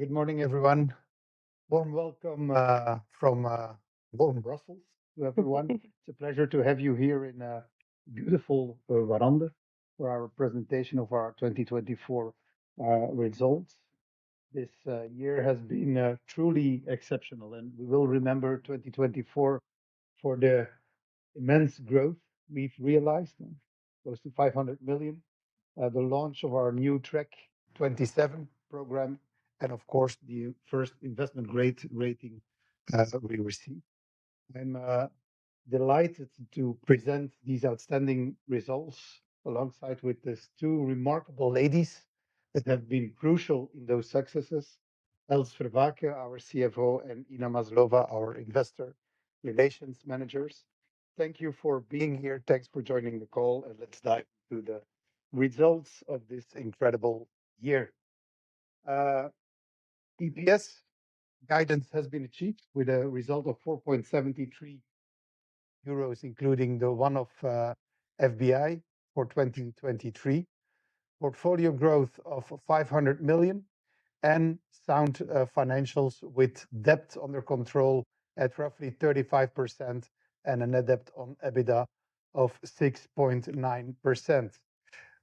Good morning, everyone. Warm welcome from Bornem, Brussels, to everyone. It's a pleasure to have you here in beautiful veranda for our presentation of our 2024 results. This year has been truly exceptional, and we will remember 2024 for the immense growth we've realized, close to 500 million, the launch of our new Track27 program, and, of course, the first investment grade rating we received. I'm delighted to present these outstanding results alongside these two remarkable ladies that have been crucial in those successes: Els Vervaecke, our CFO, and Inna Maslova, our investor relations manager. Thank you for being here. Thanks for joining the call, and let's dive into the results of this incredible year. EPS guidance has been achieved with a result of 4.73 euros, including the one of FBI for 2023, portfolio growth of 500 million, and sound financials with debt under control at roughly 35% and a net debt on EBITDA of 6.9%.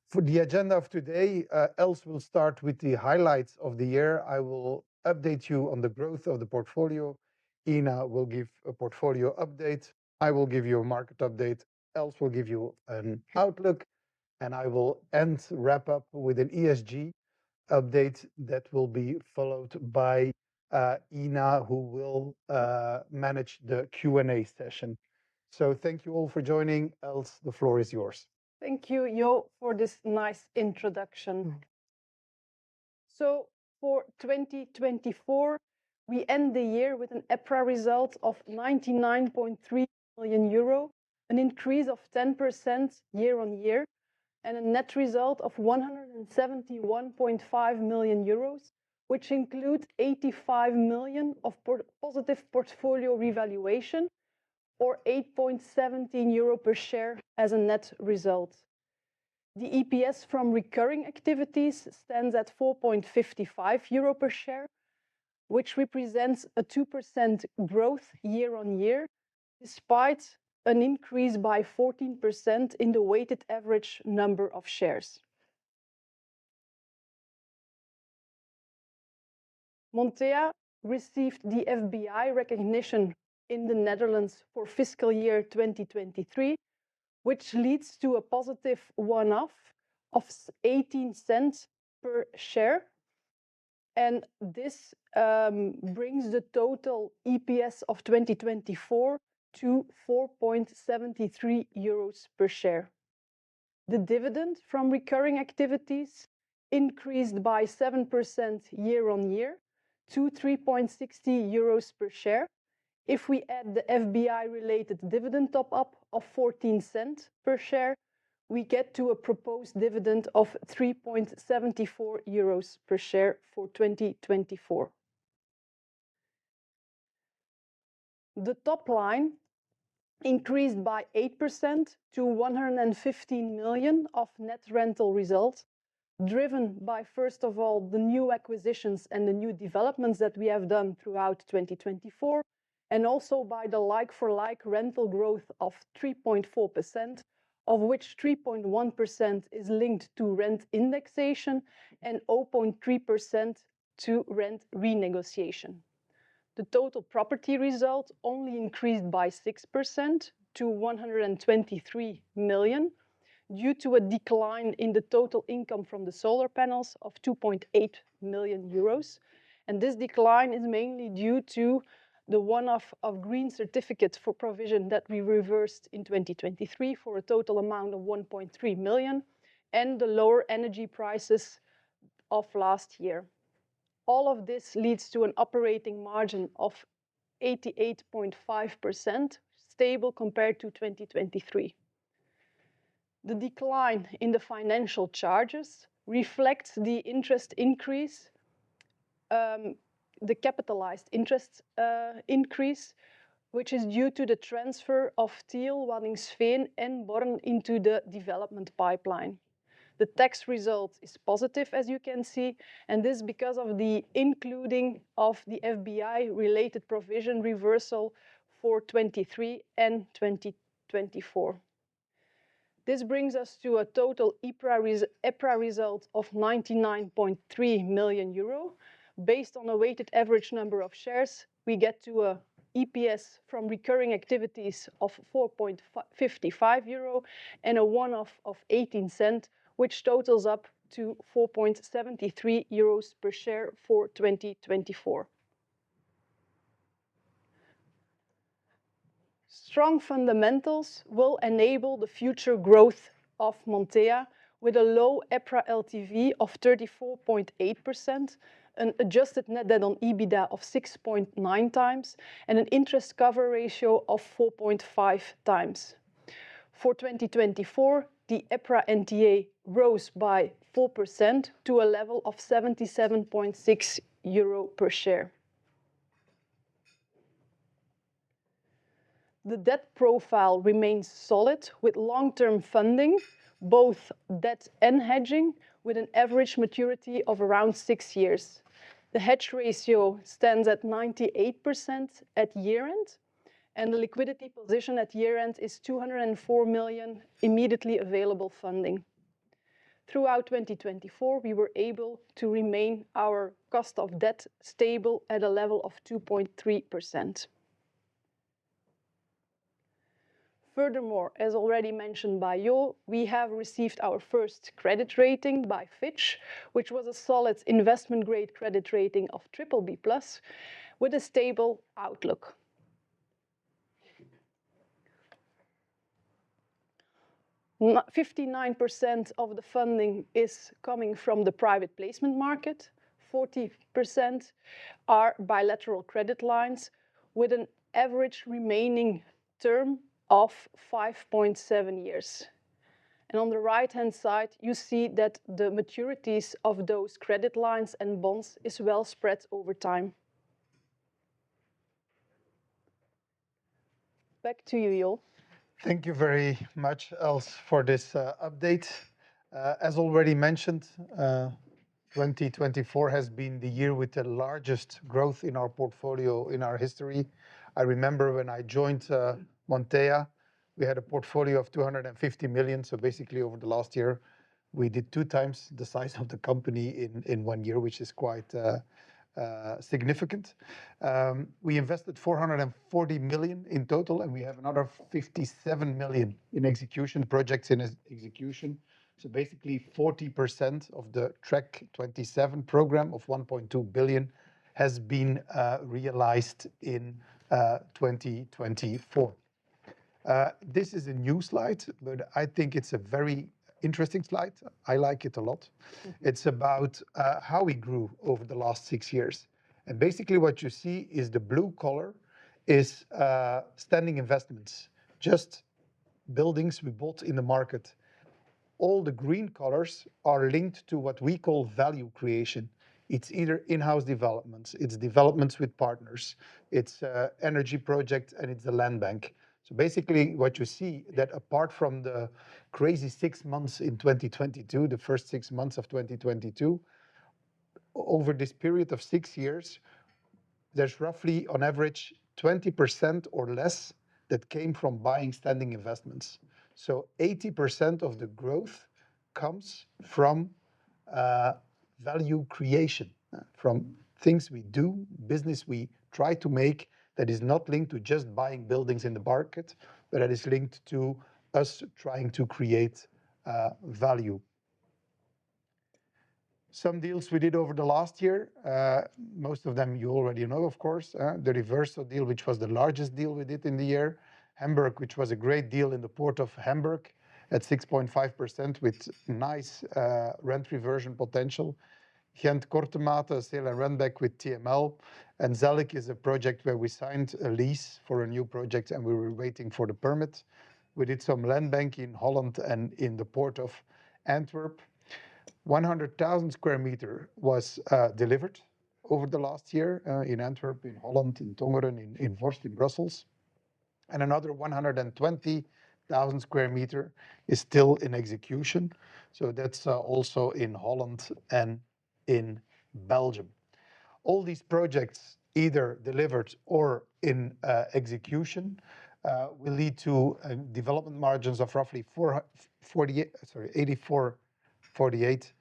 For the agenda of today, Els will start with the highlights of the year. I will update you on the growth of the portfolio. Inna will give a portfolio update. I will give you a market update. Els will give you an outlook, and I will end, wrap up with an ESG update that will be followed by Inna, who will manage the Q&A session. So thank you all for joining. Els, the floor is yours. Thank you, Jo, for this nice introduction. So for 2024, we end the year with an EPRA result of 99.3 million euro, an increase of 10% year on year, and a net result of 171.5 million euros, which includes 85 million of positive portfolio revaluation, or 8.17 euro per share as a net result. The EPS from recurring activities stands at 4.55 euro per share, which represents a 2% growth year on year, despite an increase by 14% in the weighted average number of shares. Montea received the FBI recognition in the Netherlands for fiscal year 2023, which leads to a positive one-off of 0.18 per share. And this brings the total EPS of 2024 to 4.73 euros per share. The dividend from recurring activities increased by 7% year on year to 3.60 euros per share. If we add the FBI-related dividend top-up of 0.14 per share, we get to a proposed dividend of 3.74 euros per share for 2024. The top line increased by 8% to 115 million of net rental result, driven by, first of all, the new acquisitions and the new developments that we have done throughout 2024, and also by the like-for-like rental growth of 3.4%, of which 3.1% is linked to rent indexation and 0.3% to rent renegotiation. The total property result only increased by 6% to 123 million due to a decline in the total income from the solar panels of 2.8 million euros, and this decline is mainly due to the one-off of green certificates for provision that we reversed in 2023 for a total amount of 1.3 million and the lower energy prices of last year. All of this leads to an operating margin of 88.5%, stable compared to 2023. The decline in the financial charges reflects the interest increase, the capitalized interest increase, which is due to the transfer of Tiel, Bornem, Waddinxveen, and Bornem into the development pipeline. The tax result is positive, as you can see, and this is because of the inclusion of the FBI-related provision reversal for 2023 and 2024. This brings us to a total EPRA result of 99.3 million euro. Based on a weighted average number of shares, we get to an EPS from recurring activities of 4.55 euro and a one-off of 0.18, which totals up to 4.73 euros per share for 2024. Strong fundamentals will enable the future growth of Montea with a low EPRA LTV of 34.8%, an adjusted net debt on EBITDA of 6.9 times, and an interest cover ratio of 4.5 times. For 2024, the EPRA NTA rose by 4% to a level of 77.6 euro per share. The debt profile remains solid with long-term funding, both debt and hedging, with an average maturity of around six years. The hedge ratio stands at 98% at year-end, and the liquidity position at year-end is 204 million immediately available funding. Throughout 2024, we were able to remain our cost of debt stable at a level of 2.3%. Furthermore, as already mentioned by Jo, we have received our first credit rating by Fitch, which was a solid investment-grade credit rating of BBB+, with a stable outlook. 59% of the funding is coming from the private placement market. 40% are bilateral credit lines with an average remaining term of 5.7 years. And on the right-hand side, you see that the maturities of those credit lines and bonds are well spread over time. Back to you, Jo. Thank you very much, Els, for this update. As already mentioned, 2024 has been the year with the largest growth in our portfolio in our history. I remember when I joined Montea, we had a portfolio of 250 million. So basically, over the last year, we did two times the size of the company in one year, which is quite significant. We invested 440 million in total, and we have another 57 million in execution projects. So basically, 40% of the Track27 program of 1.2 billion has been realized in 2024. This is a new slide, but I think it's a very interesting slide. I like it a lot. It's about how we grew over the last six years. Basically, what you see is the blue color is standing investments, just buildings we bought in the market. All the green colors are linked to what we call value creation. It's either in-house developments, it's developments with partners, it's energy projects, and it's the land bank. So basically, what you see is that apart from the crazy six months in 2022, the first six months of 2022, over this period of six years, there's roughly, on average, 20% or less that came from buying standing investments. So 80% of the growth comes from value creation, from things we do, business we try to make that is not linked to just buying buildings in the market, but that is linked to us trying to create value. Some deals we did over the last year, most of them you already know, of course, the Rovensa deal, which was the largest deal we did in the year, Hamburg, which was a great deal in the Port of Hamburg at 6.5% with nice rent reversion potential. Ghent Korte Mate, sale and rent back with TML, and Zellik is a project where we signed a lease for a new project and we were waiting for the permit. We did some land banking in Holland and in the Port of Antwerp. 100,000 sq m was delivered over the last year in Antwerp, in Holland, in Tongeren, in Brussels, and another 120,000 sq m is still in execution. That's also in Holland and in Belgium. All these projects, either delivered or in execution, will lead to development margins of roughly 84.48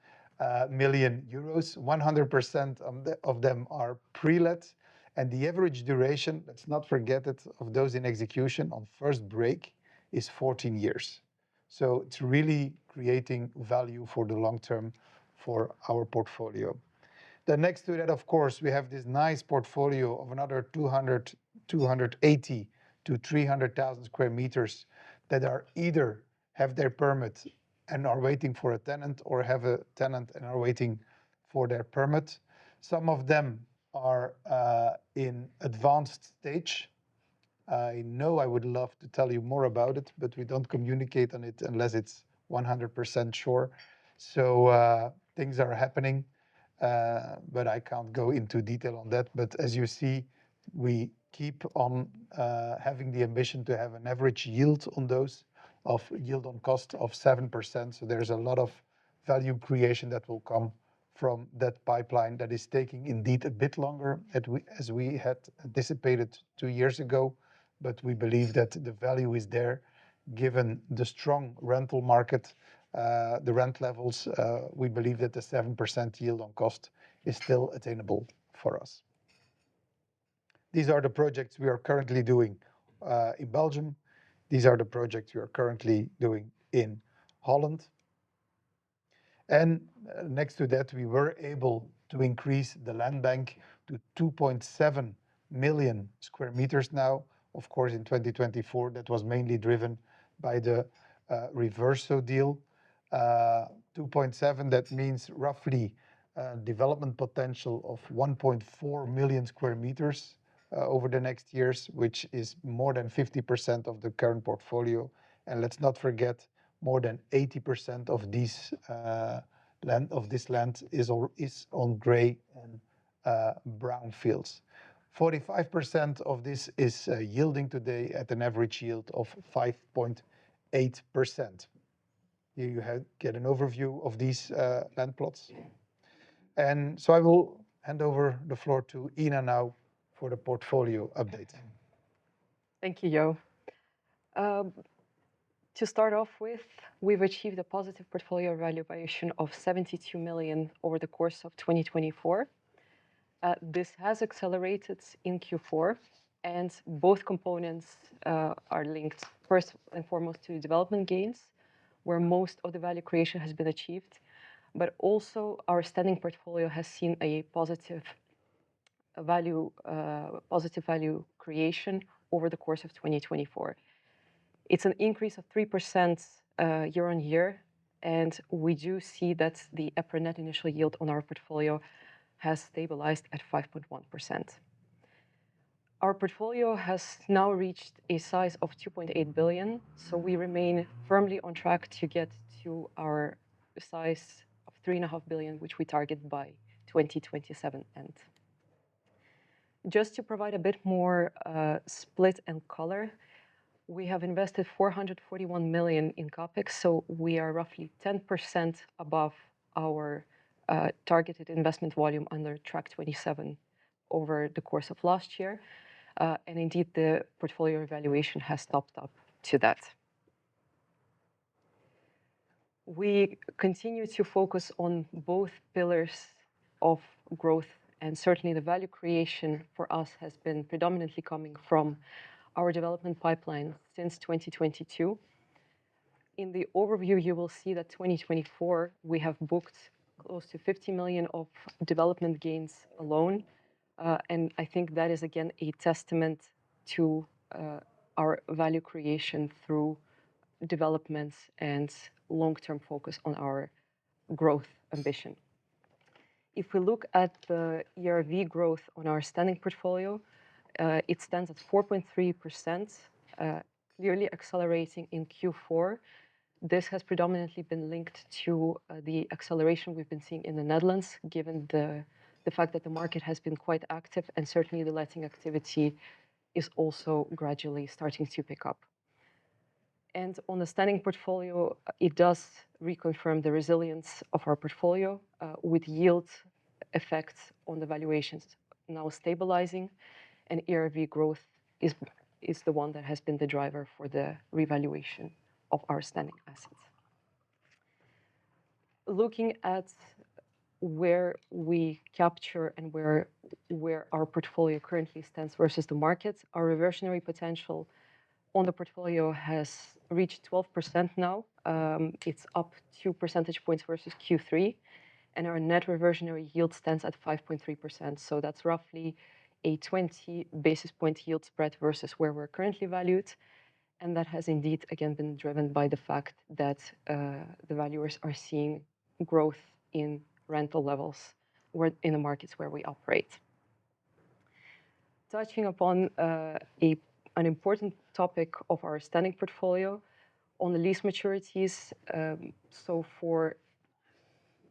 million euros. 100% of them are pre-let. The average duration, let's not forget it, of those in execution on first break is 14 years. So it's really creating value for the long term for our portfolio. Then next to that, of course, we have this nice portfolio of another 280-300,000 sq m that either have their permit and are waiting for a tenant or have a tenant and are waiting for their permit. Some of them are in advanced stage. I know I would love to tell you more about it, but we don't communicate on it unless it's 100% sure. So things are happening, but I can't go into detail on that. But as you see, we keep on having the ambition to have an average yield on those of yield on cost of 7%. There's a lot of value creation that will come from that pipeline that is taking indeed a bit longer as we had anticipated two years ago. We believe that the value is there. Given the strong rental market, the rent levels, we believe that the 7% yield on cost is still attainable for us. These are the projects we are currently doing in Belgium. These are the projects we are currently doing in Holland. Next to that, we were able to increase the land bank to 2.7 million square meters now. Of course, in 2024, that was mainly driven by the Rovensa deal. 2.7, that means roughly a development potential of 1.4 million square meters over the next years, which is more than 50% of the current portfolio. Let's not forget, more than 80% of this land is on green and brown fields. 45% of this is yielding today at an average yield of 5.8%. You get an overview of these land plots, and so I will hand over the floor to Inna now for the portfolio update. Thank you, Jo. To start off with, we've achieved a positive portfolio value valuation of 72 million over the course of 2024. This has accelerated in Q4, and both components are linked, first and foremost, to development gains, where most of the value creation has been achieved. But also, our standing portfolio has seen a positive value creation over the course of 2024. It's an increase of 3% year on year, and we do see that the EPRA net initial yield on our portfolio has stabilized at 5.1%. Our portfolio has now reached a size of 2.8 billion, so we remain firmly on track to get to our size of 3.5 billion, which we target by 2027 end. Just to provide a bit more split and color, we have invested 441 million in CapEx, so we are roughly 10% above our targeted investment volume under Track27 over the course of last year. And indeed, the portfolio valuation has topped up to that. We continue to focus on both pillars of growth, and certainly the value creation for us has been predominantly coming from our development pipeline since 2022. In the overview, you will see that in 2024, we have booked close to 50 million of development gains alone. And I think that is, again, a testament to our value creation through developments and long-term focus on our growth ambition. If we look at the ERV growth on our standing portfolio, it stands at 4.3%, clearly accelerating in Q4. This has predominantly been linked to the acceleration we've been seeing in the Netherlands, given the fact that the market has been quite active, and certainly the letting activity is also gradually starting to pick up, and on the standing portfolio, it does reconfirm the resilience of our portfolio with yield effects on the valuations now stabilizing, and ERV growth is the one that has been the driver for the revaluation of our standing assets. Looking at where we capture and where our portfolio currently stands versus the market, our reversionary potential on the portfolio has reached 12% now. It's up two percentage points versus Q3, and our net reversionary yield stands at 5.3%, so that's roughly a 20 basis point yield spread versus where we're currently valued. That has indeed, again, been driven by the fact that the valuers are seeing growth in rental levels in the markets where we operate. Touching upon an important topic of our standing portfolio on the lease maturities, so for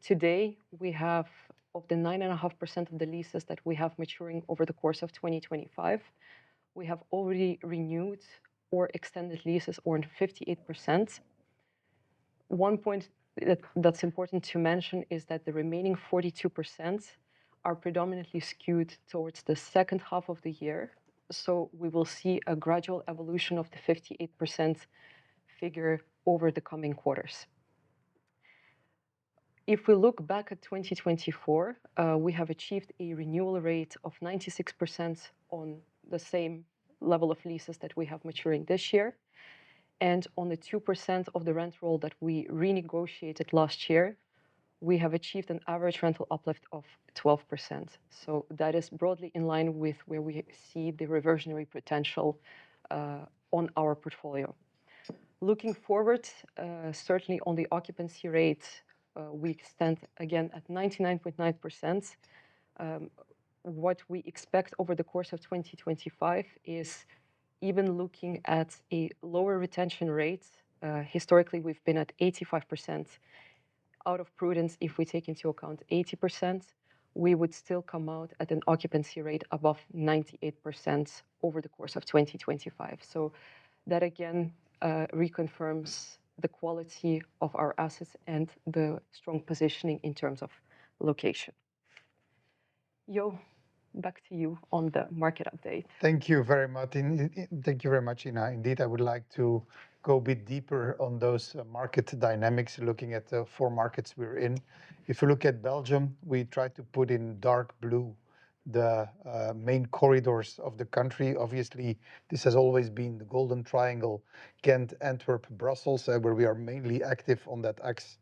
today, we have, of the 9.5% of the leases that we have maturing over the course of 2025, already renewed or extended leases on 58%. One point that's important to mention is that the remaining 42% are predominantly skewed towards the second half of the year. So we will see a gradual evolution of the 58% figure over the coming quarters. If we look back at 2024, we have achieved a renewal rate of 96% on the same level of leases that we have maturing this year. On the 2% of the rent roll that we renegotiated last year, we have achieved an average rental uplift of 12%. That is broadly in line with where we see the reversionary potential on our portfolio. Looking forward, certainly on the occupancy rate, we extend again at 99.9%. What we expect over the course of 2025 is even looking at a lower retention rate. Historically, we've been at 85%. Out of prudence, if we take into account 80%, we would still come out at an occupancy rate above 98% over the course of 2025. That, again, reconfirms the quality of our assets and the strong positioning in terms of location. Jo, back to you on the market update. Thank you very much. Thank you very much, Inna. Indeed, I would like to go a bit deeper on those market dynamics, looking at the four markets we're in. If you look at Belgium, we try to put in dark blue the main corridors of the country. Obviously, this has always been the golden triangle, Ghent, Antwerp, Brussels, where we are mainly active on that axis,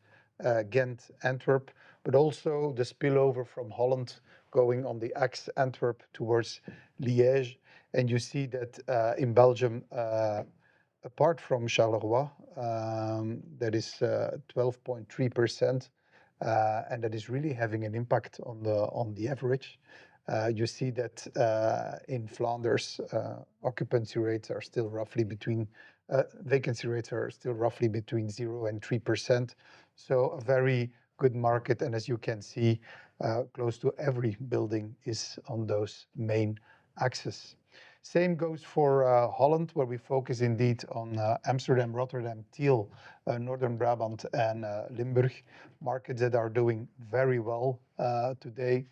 Ghent, Antwerp, but also the spillover from Holland going on the axis, Antwerp towards Liège. And you see that in Belgium, apart from Charleroi, that is 12.3%, and that is really having an impact on the average. You see that in Flanders, vacancy rates are still roughly between 0 and 3%. So a very good market. And as you can see, close to every building is on those main axes. Same goes for Holland, where we focus indeed on Amsterdam, Rotterdam, Tiel, Northern Brabant, and Limburg markets that are doing very well today.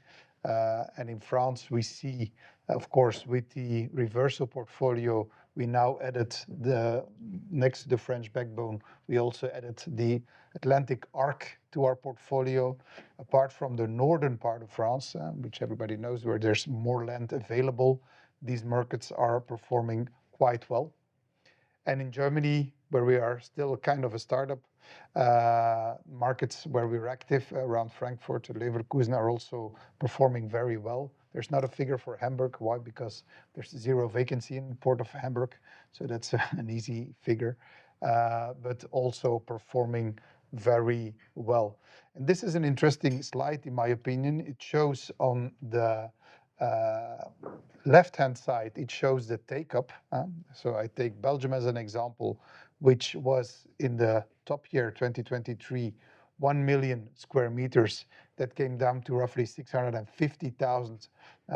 In France, we see, of course, with the Rovensa portfolio, we now added the Nord to the French backbone. We also added the Atlantic Arc to our portfolio. Apart from the northern part of France, which everybody knows where there's more land available, these markets are performing quite well. In Germany, where we are still kind of a startup, markets where we're active around Frankfurt and Leverkusen are also performing very well. There's not a figure for Hamburg. Why? Because there's zero vacancy in the Port of Hamburg. So that's an easy figure, but also performing very well. This is an interesting slide, in my opinion. It shows on the left-hand side, it shows the take-up. So I take Belgium as an example, which was in the top year, 2023, 1 million square meters that came down to roughly 650,000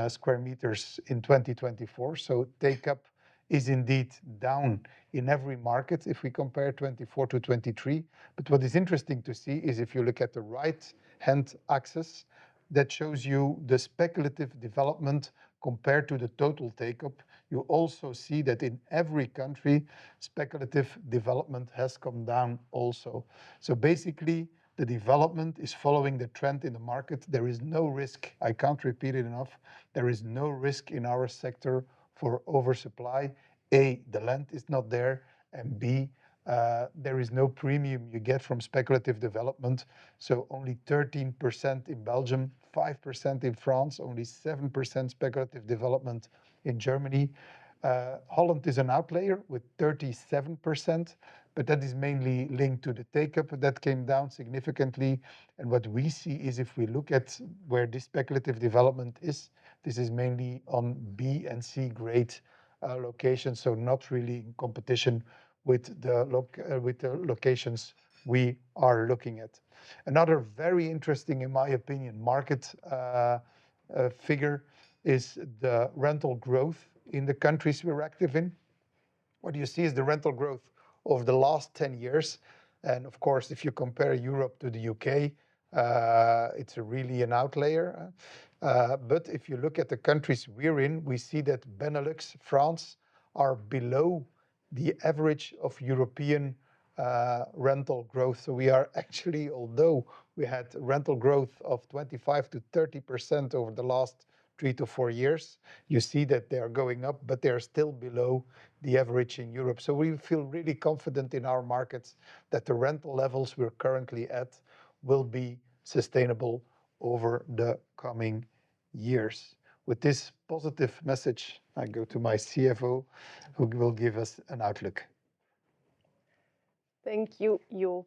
square meters in 2024. So take-up is indeed down in every market if we compare 24 to 23. But what is interesting to see is if you look at the right-hand axis, that shows you the speculative development compared to the total take-up. You also see that in every country, speculative development has come down also. So basically, the development is following the trend in the market. There is no risk. I can't repeat it enough. There is no risk in our sector for oversupply. A, the land is not there. And B, there is no premium you get from speculative development. So only 13% in Belgium, 5% in France, only 7% speculative development in Germany. Holland is now a player with 37%, but that is mainly linked to the take-up that came down significantly. And what we see is if we look at where this speculative development is, this is mainly on B and C grade locations, so not really in competition with the locations we are looking at. Another very interesting, in my opinion, market figure is the rental growth in the countries we're active in. What you see is the rental growth over the last 10 years. And of course, if you compare Europe to the U.K., it's really an outlier. But if you look at the countries we're in, we see that Benelux, France, are below the average of European rental growth. So we are actually, although we had rental growth of 25% to 30% over the last three to four years, you see that they are going up, but they are still below the average in Europe. So we feel really confident in our markets that the rental levels we're currently at will be sustainable over the coming years. With this positive message, I go to my CFO, who will give us an outlook. Thank you, Jo.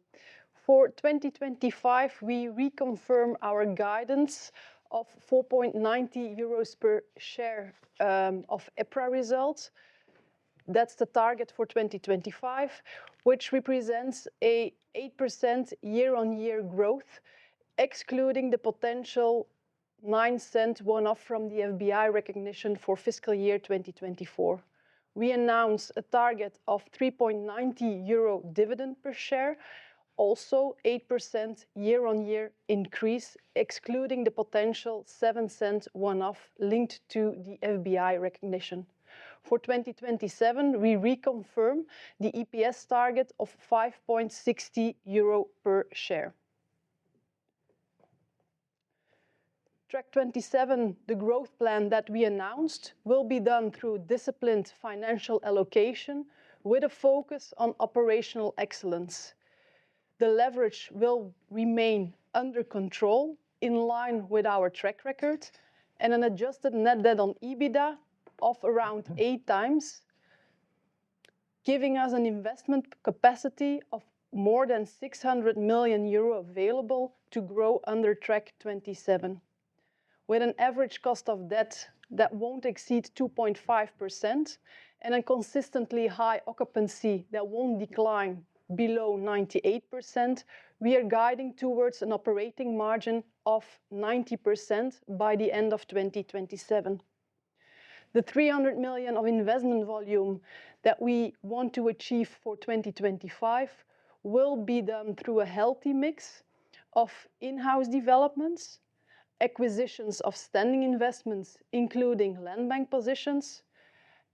For 2025, we reconfirm our guidance of 4.90 euros per share of EPRA results. That's the target for 2025, which represents an 8% year-on-year growth, excluding the potential 9% one-off from the FBI recognition for fiscal year 2024. We announce a target of 3.90 euro dividend per share, also 8% year-on-year increase, excluding the potential 7% one-off linked to the FBI recognition. For 2027, we reconfirm the EPS target of 5.60 euro per share. Track27, the growth plan that we announced, will be done through disciplined financial allocation with a focus on operational excellence. The leverage will remain under control, in line with our track record, and an adjusted net debt on EBITDA of around eight times, giving us an investment capacity of more than 600 million euro available to grow under Track27. With an average cost of debt that won't exceed 2.5% and a consistently high occupancy that won't decline below 98%, we are guiding towards an operating margin of 90% by the end of 2027. The 300 million of investment volume that we want to achieve for 2025 will be done through a healthy mix of in-house developments, acquisitions of standing investments, including land bank positions,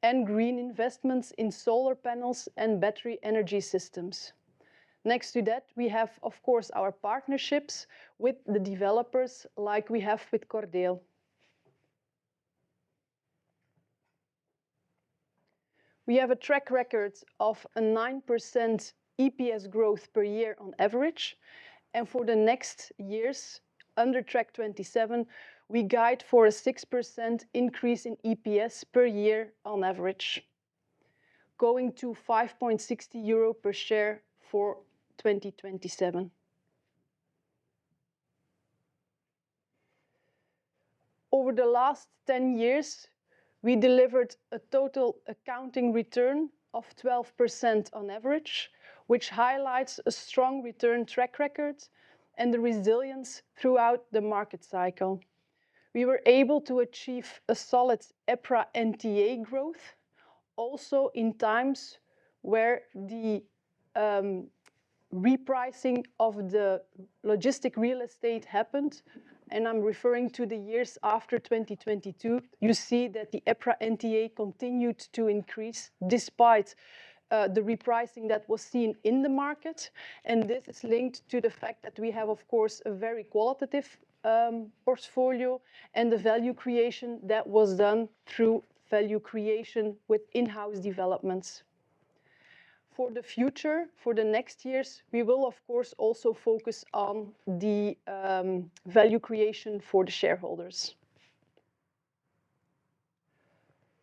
and green investments in solar panels and battery energy systems. Next to that, we have, of course, our partnerships with the developers, like we have with Cordeel. We have a track record of a 9% EPS growth per year on average, and for the next years, under Track27, we guide for a 6% increase in EPS per year on average, going to 5.60 euro per share for 2027. Over the last 10 years, we delivered a total accounting return of 12% on average, which highlights a strong return track record and the resilience throughout the market cycle. We were able to achieve a solid EPRA NTA growth, also in times where the repricing of the logistics real estate happened, and I'm referring to the years after 2022. You see that the EPRA NTA continued to increase despite the repricing that was seen in the market, and this is linked to the fact that we have, of course, a very qualitative portfolio and the value creation that was done through value creation with in-house developments. For the future, for the next years, we will, of course, also focus on the value creation for the shareholders.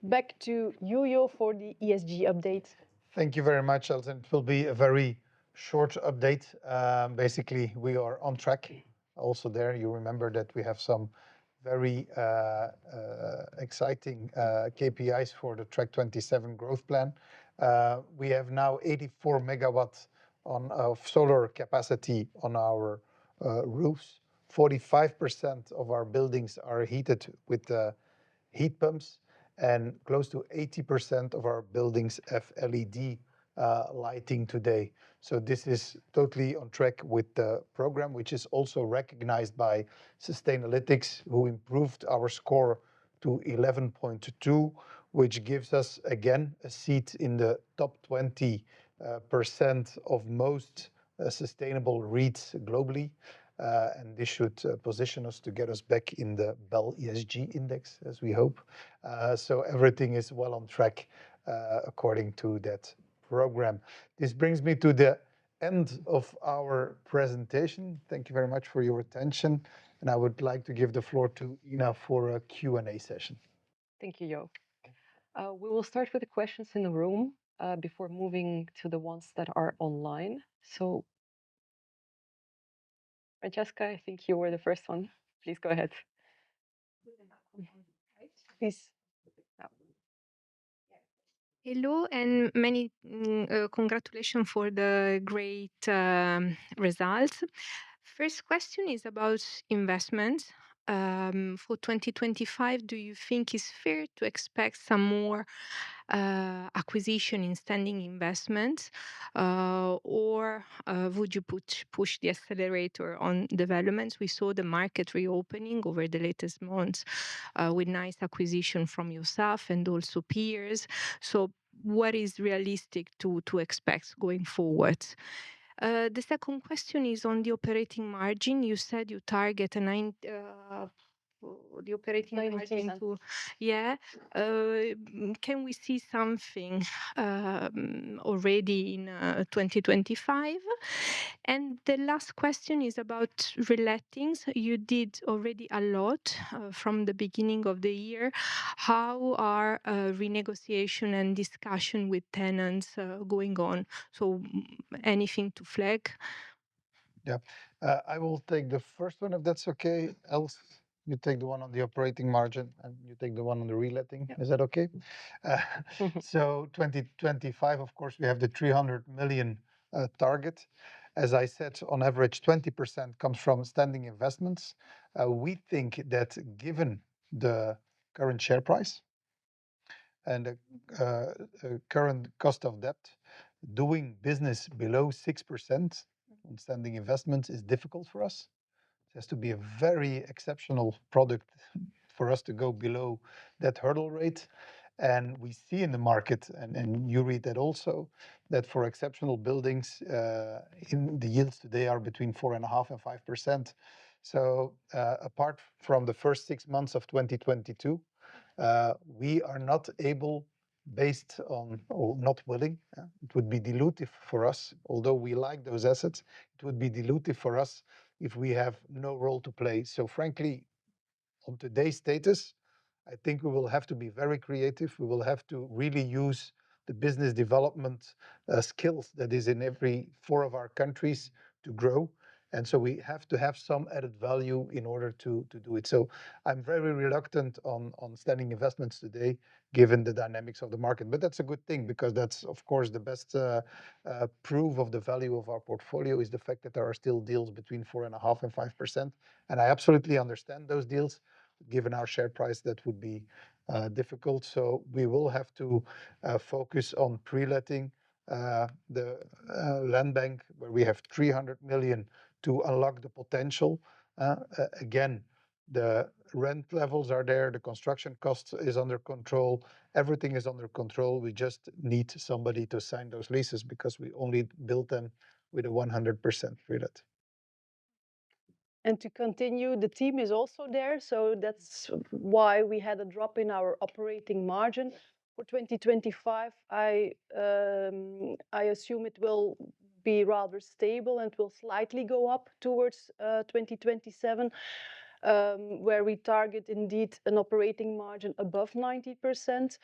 Back to you, Jo, for the ESG update. Thank you very much, Els Vervaecke. It will be a very short update. Basically, we are on track. Also there, you remember that we have some very exciting KPIs for the Track27 growth plan. We have now 84 megawatts of solar capacity on our roofs. 45% of our buildings are heated with heat pumps and close to 80% of our buildings have LED lighting today. So this is totally on track with the program, which is also recognized by Sustainalytics, who improved our score to 11.2, which gives us, again, a seat in the top 20% of most sustainable REITs globally. And this should position us to get us back in the Bel ESG Index, as we hope. So everything is well on track according to that program. This brings me to the end of our presentation. Thank you very much for your attention. I would like to give the floor to Inna for a Q&A session. Thank you, Jo. We will start with the questions in the room before moving to the ones that are online. So, Francesca, I think you were the first one. Please go ahead. Please. Hello, and many congratulations for the great results. First question is about investments. For 2025, do you think it's fair to expect some more acquisition in standing investments, or would you push the accelerator on developments? We saw the market reopening over the latest months with nice acquisitions from yourself and also peers. So what is realistic to expect going forward? The second question is on the operating margin. You said you target the operating margin too. Yeah. Can we see something already in 2025? And the last question is about relettings. You did already a lot from the beginning of the year. How are renegotiations and discussions with tenants going on? So anything to flag? Yeah. I will take the first one, if that's okay. Els, you take the one on the operating margin and you take the one on the rental. Is that okay? So 2025, of course, we have the 300 million target. As I said, on average, 20% comes from standing investments. We think that given the current share price and the current cost of debt, doing business below 6% on standing investments is difficult for us. It has to be a very exceptional product for us to go below that hurdle rate. And we see in the market, and you read that also, that for exceptional buildings, the yields today are between 4.5% and 5%. So apart from the first six months of 2022, we are not able, or not willing, it would be dilutive for us. Although we like those assets, it would be dilutive for us if we have no role to play. So frankly, on today's status, I think we will have to be very creative. We will have to really use the business development skills that are in every one of our countries to grow. And so we have to have some added value in order to do it. So I'm very reluctant on standing investments today, given the dynamics of the market. But that's a good thing because that's, of course, the best proof of the value of our portfolio is the fact that there are still deals between 4.5% and 5%. And I absolutely understand those deals. Given our share price, that would be difficult. So we will have to focus on preletting the land bank, where we have 300 million, to unlock the potential. Again, the rent levels are there. The construction cost is under control. Everything is under control. We just need somebody to sign those leases because we only built them with a 100% pre-let. To continue, the team is also there. So that's why we had a drop in our operating margin for 2025. I assume it will be rather stable and will slightly go up towards 2027, where we target indeed an operating margin above 90%.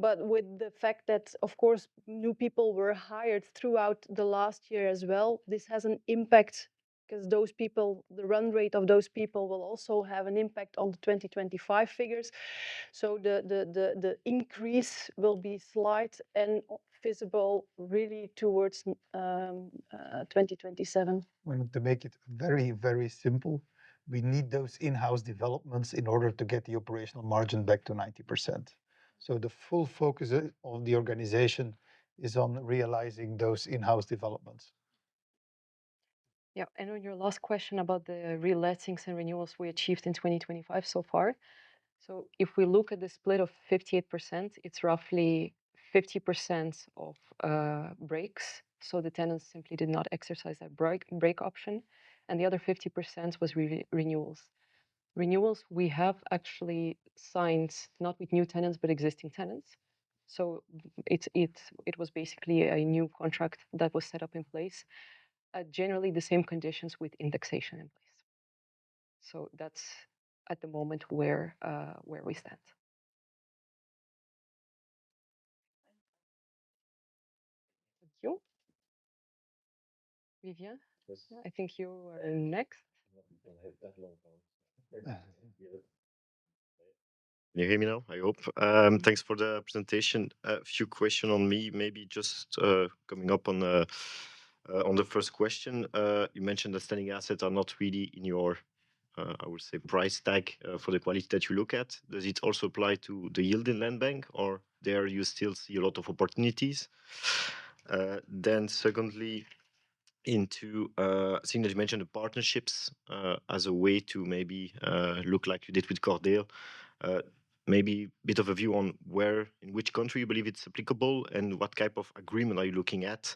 But with the fact that, of course, new people were hired throughout the last year as well, this has an impact because those people, the run rate of those people will also have an impact on the 2025 figures. So the increase will be slight and visible really towards 2027. To make it very, very simple, we need those in-house developments in order to get the operational margin back to 90%. So the full focus of the organization is on realizing those in-house developments. Yeah. And on your last question about the lettings and renewals we achieved in 2025 so far, so if we look at the split of 58%, it's roughly 50% of breaks. So the tenants simply did not exercise that break option. And the other 50% was renewals. Renewals, we have actually signed not with new tenants, but existing tenants. So it was basically a new contract that was set up in place, generally the same conditions with indexation in place. So that's at the moment where we stand. Thank you. Vivien, I think you are next. Can you hear me now? I hope. Thanks for the presentation. A few questions from me, maybe just coming up on the first question. You mentioned that standing assets are not really in your, I would say, price tag for the quality that you look at. Does it also apply to the yield in land bank, or there you still see a lot of opportunities? Then secondly, I think that you mentioned the partnerships as a way to maybe look like you did with Cordeel. Maybe a bit of a view on where, in which country you believe it's applicable and what type of agreement are you looking at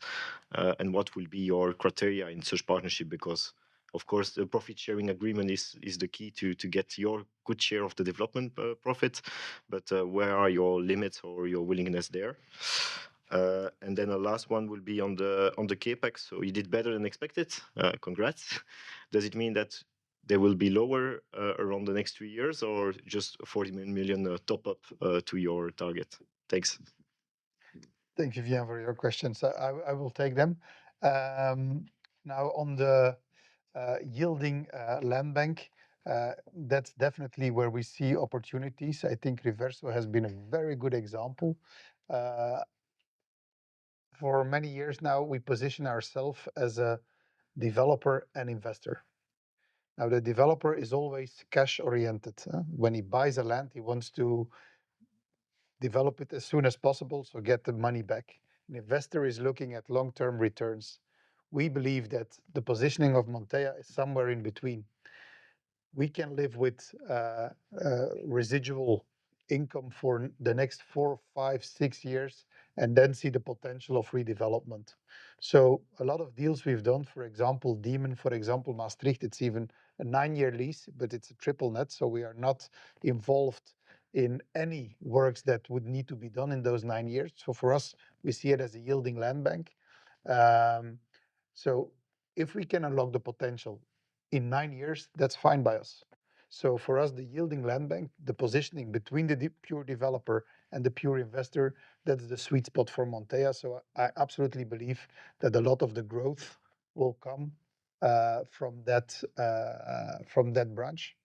and what will be your criteria in such partnership? Because, of course, the profit-sharing agreement is the key to get your good share of the development profits, but where are your limits or your willingness there? And then the last one will be on the CapEx. So you did better than expected. Congrats. Does it mean that there will be lower around the next three years or just 40 million top-up to your target? Thanks. Thank you, Vivien, for your questions. I will take them. Now, on the yielding land bank, that's definitely where we see opportunities. I think Rovensa has been a very good example. For many years now, we position ourselves as a developer and investor. Now, the developer is always cash-oriented. When he buys a land, he wants to develop it as soon as possible so he gets the money back. An investor is looking at long-term returns. We believe that the positioning of Montea is somewhere in between. We can live with residual income for the next four, five, six years and then see the potential of redevelopment. So a lot of deals we've done, for example, Diemen, for example, Maastricht, it's even a nine-year lease, but it's a triple net. So we are not involved in any works that would need to be done in those nine years. So for us, we see it as a yielding land bank. So if we can unlock the potential in nine years, that's fine by us. So for us, the yielding land bank, the positioning between the pure developer and the pure investor, that's the sweet spot for Montea. So I absolutely believe that a lot of the growth will come from that branch.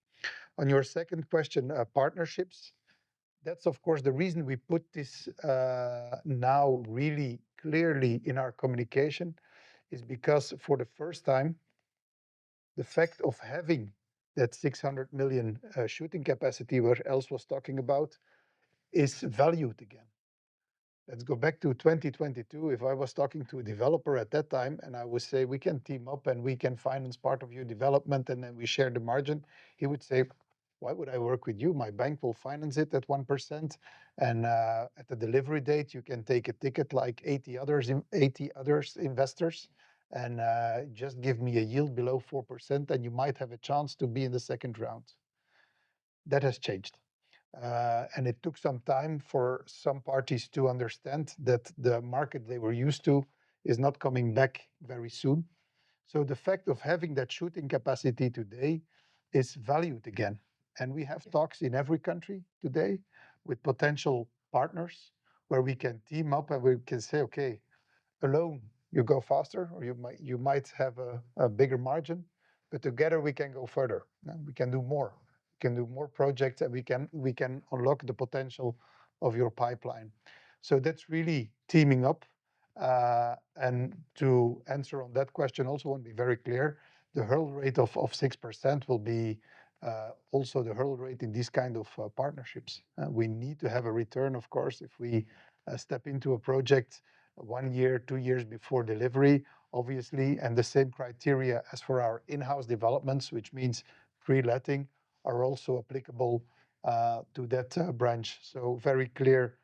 On your second question, partnerships, that's, of course, the reason we put this now really clearly in our communication is because for the first time, the fact of having that 600 million shooting capacity, what Els was talking about, is valued again. Let's go back to 2022. If I was talking to a developer at that time and I would say, "We can team up and we can finance part of your development," and then we share the margin, he would say, "Why would I work with you? My bank will finance it at 1%. And at the delivery date, you can take a ticket like 80 other investors and just give me a yield below 4%, and you might have a chance to be in the second round." That has changed. And it took some time for some parties to understand that the market they were used to is not coming back very soon. So the fact of having that equity capacity today is valued again. And we have talks in every country today with potential partners where we can team up and we can say, "Okay, alone, you go faster or you might have a bigger margin, but together we can go further. We can do more. We can do more projects and we can unlock the potential of your pipeline." So that's really teaming up. And to answer on that question, I also want to be very clear. The hurdle rate of 6% will be also the hurdle rate in these kinds of partnerships. We need to have a return, of course, if we step into a project one year, two years before delivery, obviously, and the same criteria as for our in-house developments, which means preletting, are also applicable to that branch. So very clear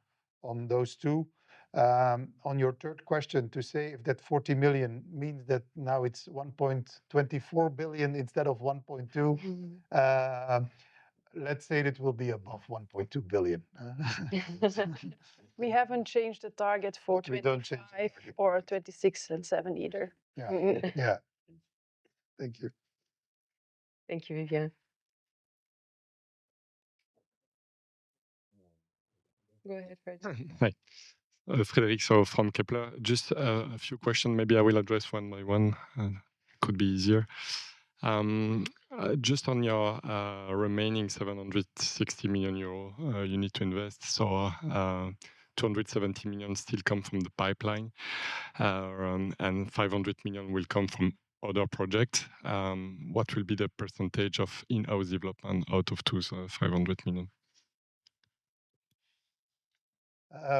on those two. On your third question, to say if that 40 million means that now it's 1.24 billion instead of 1.2, let's say that it will be above 1.2 billion. We haven't changed the target for 2025 or 2026 and 2027 either. Yeah. Yeah. Thank you. Thank you, Vivien. Go ahead, Fred. Frédéric from Kepler Cheuvreux. Just a few questions. Maybe I will address one by one. It could be easier. Just on your remaining 760 million euro you need to invest, so 270 million still come from the pipeline and 500 million will come from other projects. What will be the percentage of in-house development out of those 500 million?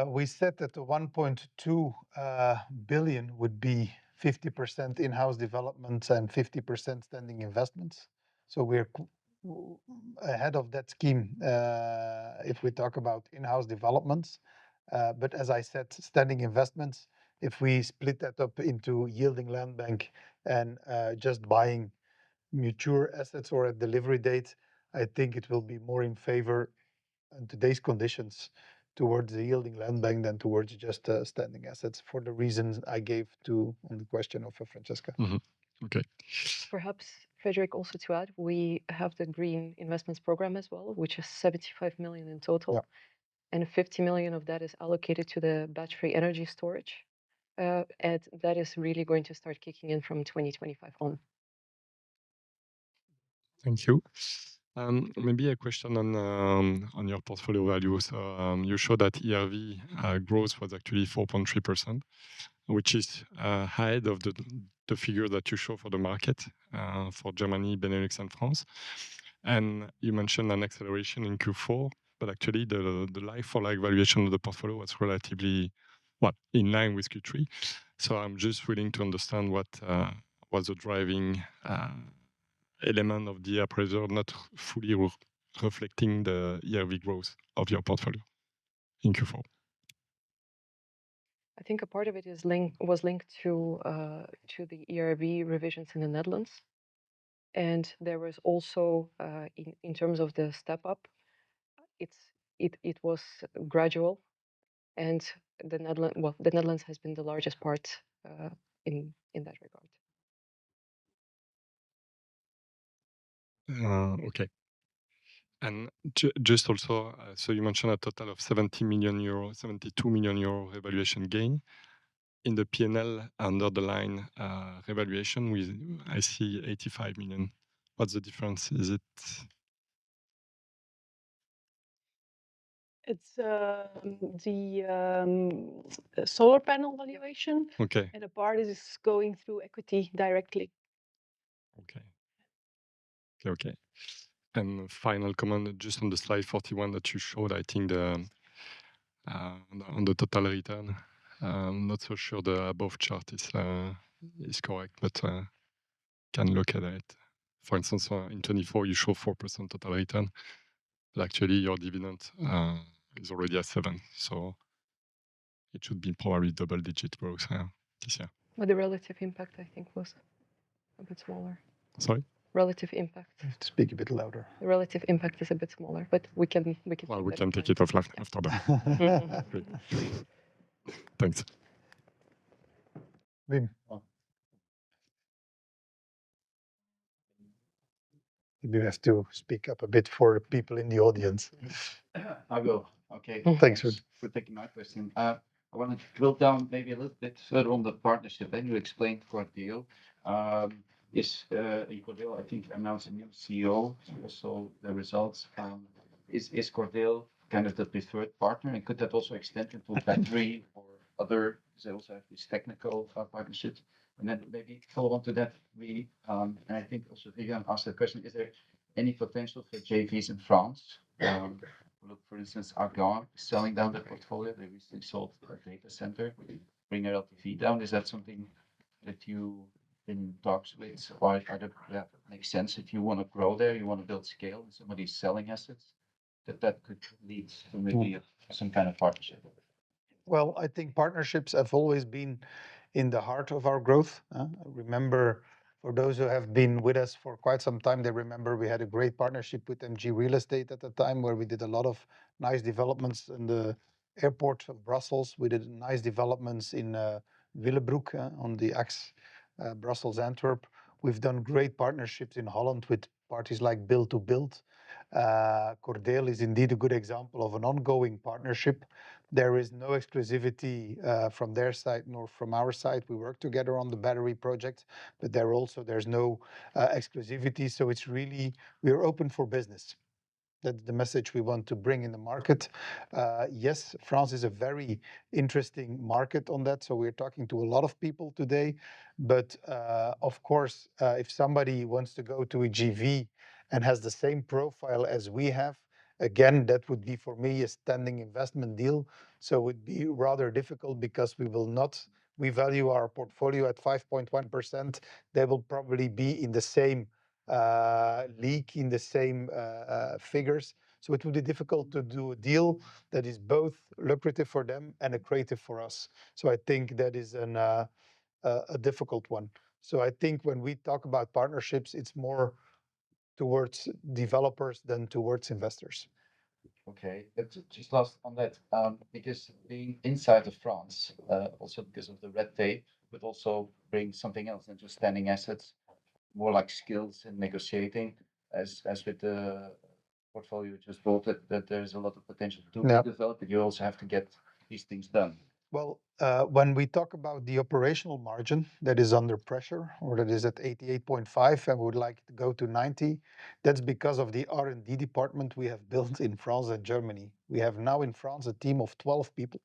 We said that the 1.2 billion would be 50% in-house developments and 50% standing investments. So we're ahead of that scheme if we talk about in-house developments. But as I said, standing investments, if we split that up into yielding land bank and just buying mature assets or delivered assets, I think it will be more in favor in today's conditions towards the yielding land bank than towards just standing assets for the reasons I gave, too, on the question of Francesca. Okay. Perhaps Frédéric also to add, we have the green investments program as well, which is 75 million in total, and 50 million of that is allocated to the battery energy storage, and that is really going to start kicking in from 2025 on. Thank you. Maybe a question on your portfolio values. You showed that ERV growth was actually 4.3%, which is ahead of the figure that you show for the market for Germany, Benelux, and France. And you mentioned an acceleration in Q4, but actually the like-for-like valuation of the portfolio was relatively, well, in line with Q3. So I'm just willing to understand what was the driving element of the appraisal not fully reflecting the ERV growth of your portfolio. In Q4. I think a part of it was linked to the ERV revisions in the Netherlands, and there was also, in terms of the step-up, it was gradual, and the Netherlands has been the largest part in that regard. Okay. And just also, so you mentioned a total of 70 million euro, 72 million euro revaluation gain. In the P&L under the line revaluation, I see 85 million. What's the difference? Is it? It's the solar panel valuation and a part is going through equity directly. And final comment, just on the slide 41 that you showed, I think on the total return, I'm not so sure the above chart is correct, but you can look at it. For instance, in 2024, you show 4% total return, but actually your dividend is already at 7%. So it should be probably double-digit growth this year. But the relative impact, I think, was a bit smaller. Sorry? Relative impact. Speak a bit louder. The relative impact is a bit smaller, but we can speak it out. We can take it off after that. Thanks. Vivien, maybe you have to speak up a bit for the people in the audience. I'll go. Okay. Thanks for taking my question. I want to drill down maybe a little bit further on the partnership. Then you explained Cordeel. Is Cordeel, I think, announcing new CEO? So the results is Cordeel kind of the preferred partner? And could that also extend to Battery or other? Because they also have these technical partnerships. And then maybe follow on to that, and I think also Vivien asked the question, is there any potential for JVs in France? Look, for instance, Argan is selling down their portfolio. They recently sold a data center. Bring LTV down. Is that something that you've been in talks with? Why does that make sense if you want to grow there? You want to build scale and somebody's selling assets that that could lead to maybe some kind of partnership? Well, I think partnerships have always been in the heart of our growth. I remember for those who have been with us for quite some time, they remember we had a great partnership with MG Real Estate at the time where we did a lot of nice developments in the airport of Brussels. We did nice developments in Willebroek on the axis Brussels Antwerp. We've done great partnerships in Holland with parties like Build2Build. Cordeel is indeed a good example of an ongoing partnership. There is no exclusivity from their side nor from our side. We work together on the battery project, but there also there's no exclusivity. So it's really we are open for business. That's the message we want to bring in the market. Yes, France is a very interesting market on that. So we're talking to a lot of people today. But of course, if somebody wants to go to a JV and has the same profile as we have, again, that would be for me a standing investment deal. So it would be rather difficult because we value our portfolio at 5.1%. They will probably be in the same league, in the same figures. So it would be difficult to do a deal that is both lucrative for them and accretive for us. So I think that is a difficult one. So I think when we talk about partnerships, it's more towards developers than towards investors. Okay. Just last on that. Because being inside of France, also because of the red tape, but also bringing something else into standing assets, more like skills in negotiating, as with the portfolio you just brought, that there is a lot of potential to develop. You also have to get these things done. When we talk about the operational margin that is under pressure or that is at 88.5% and we would like to go to 90%, that's because of the R&D department we have built in France and Germany. We have now in France a team of 12 people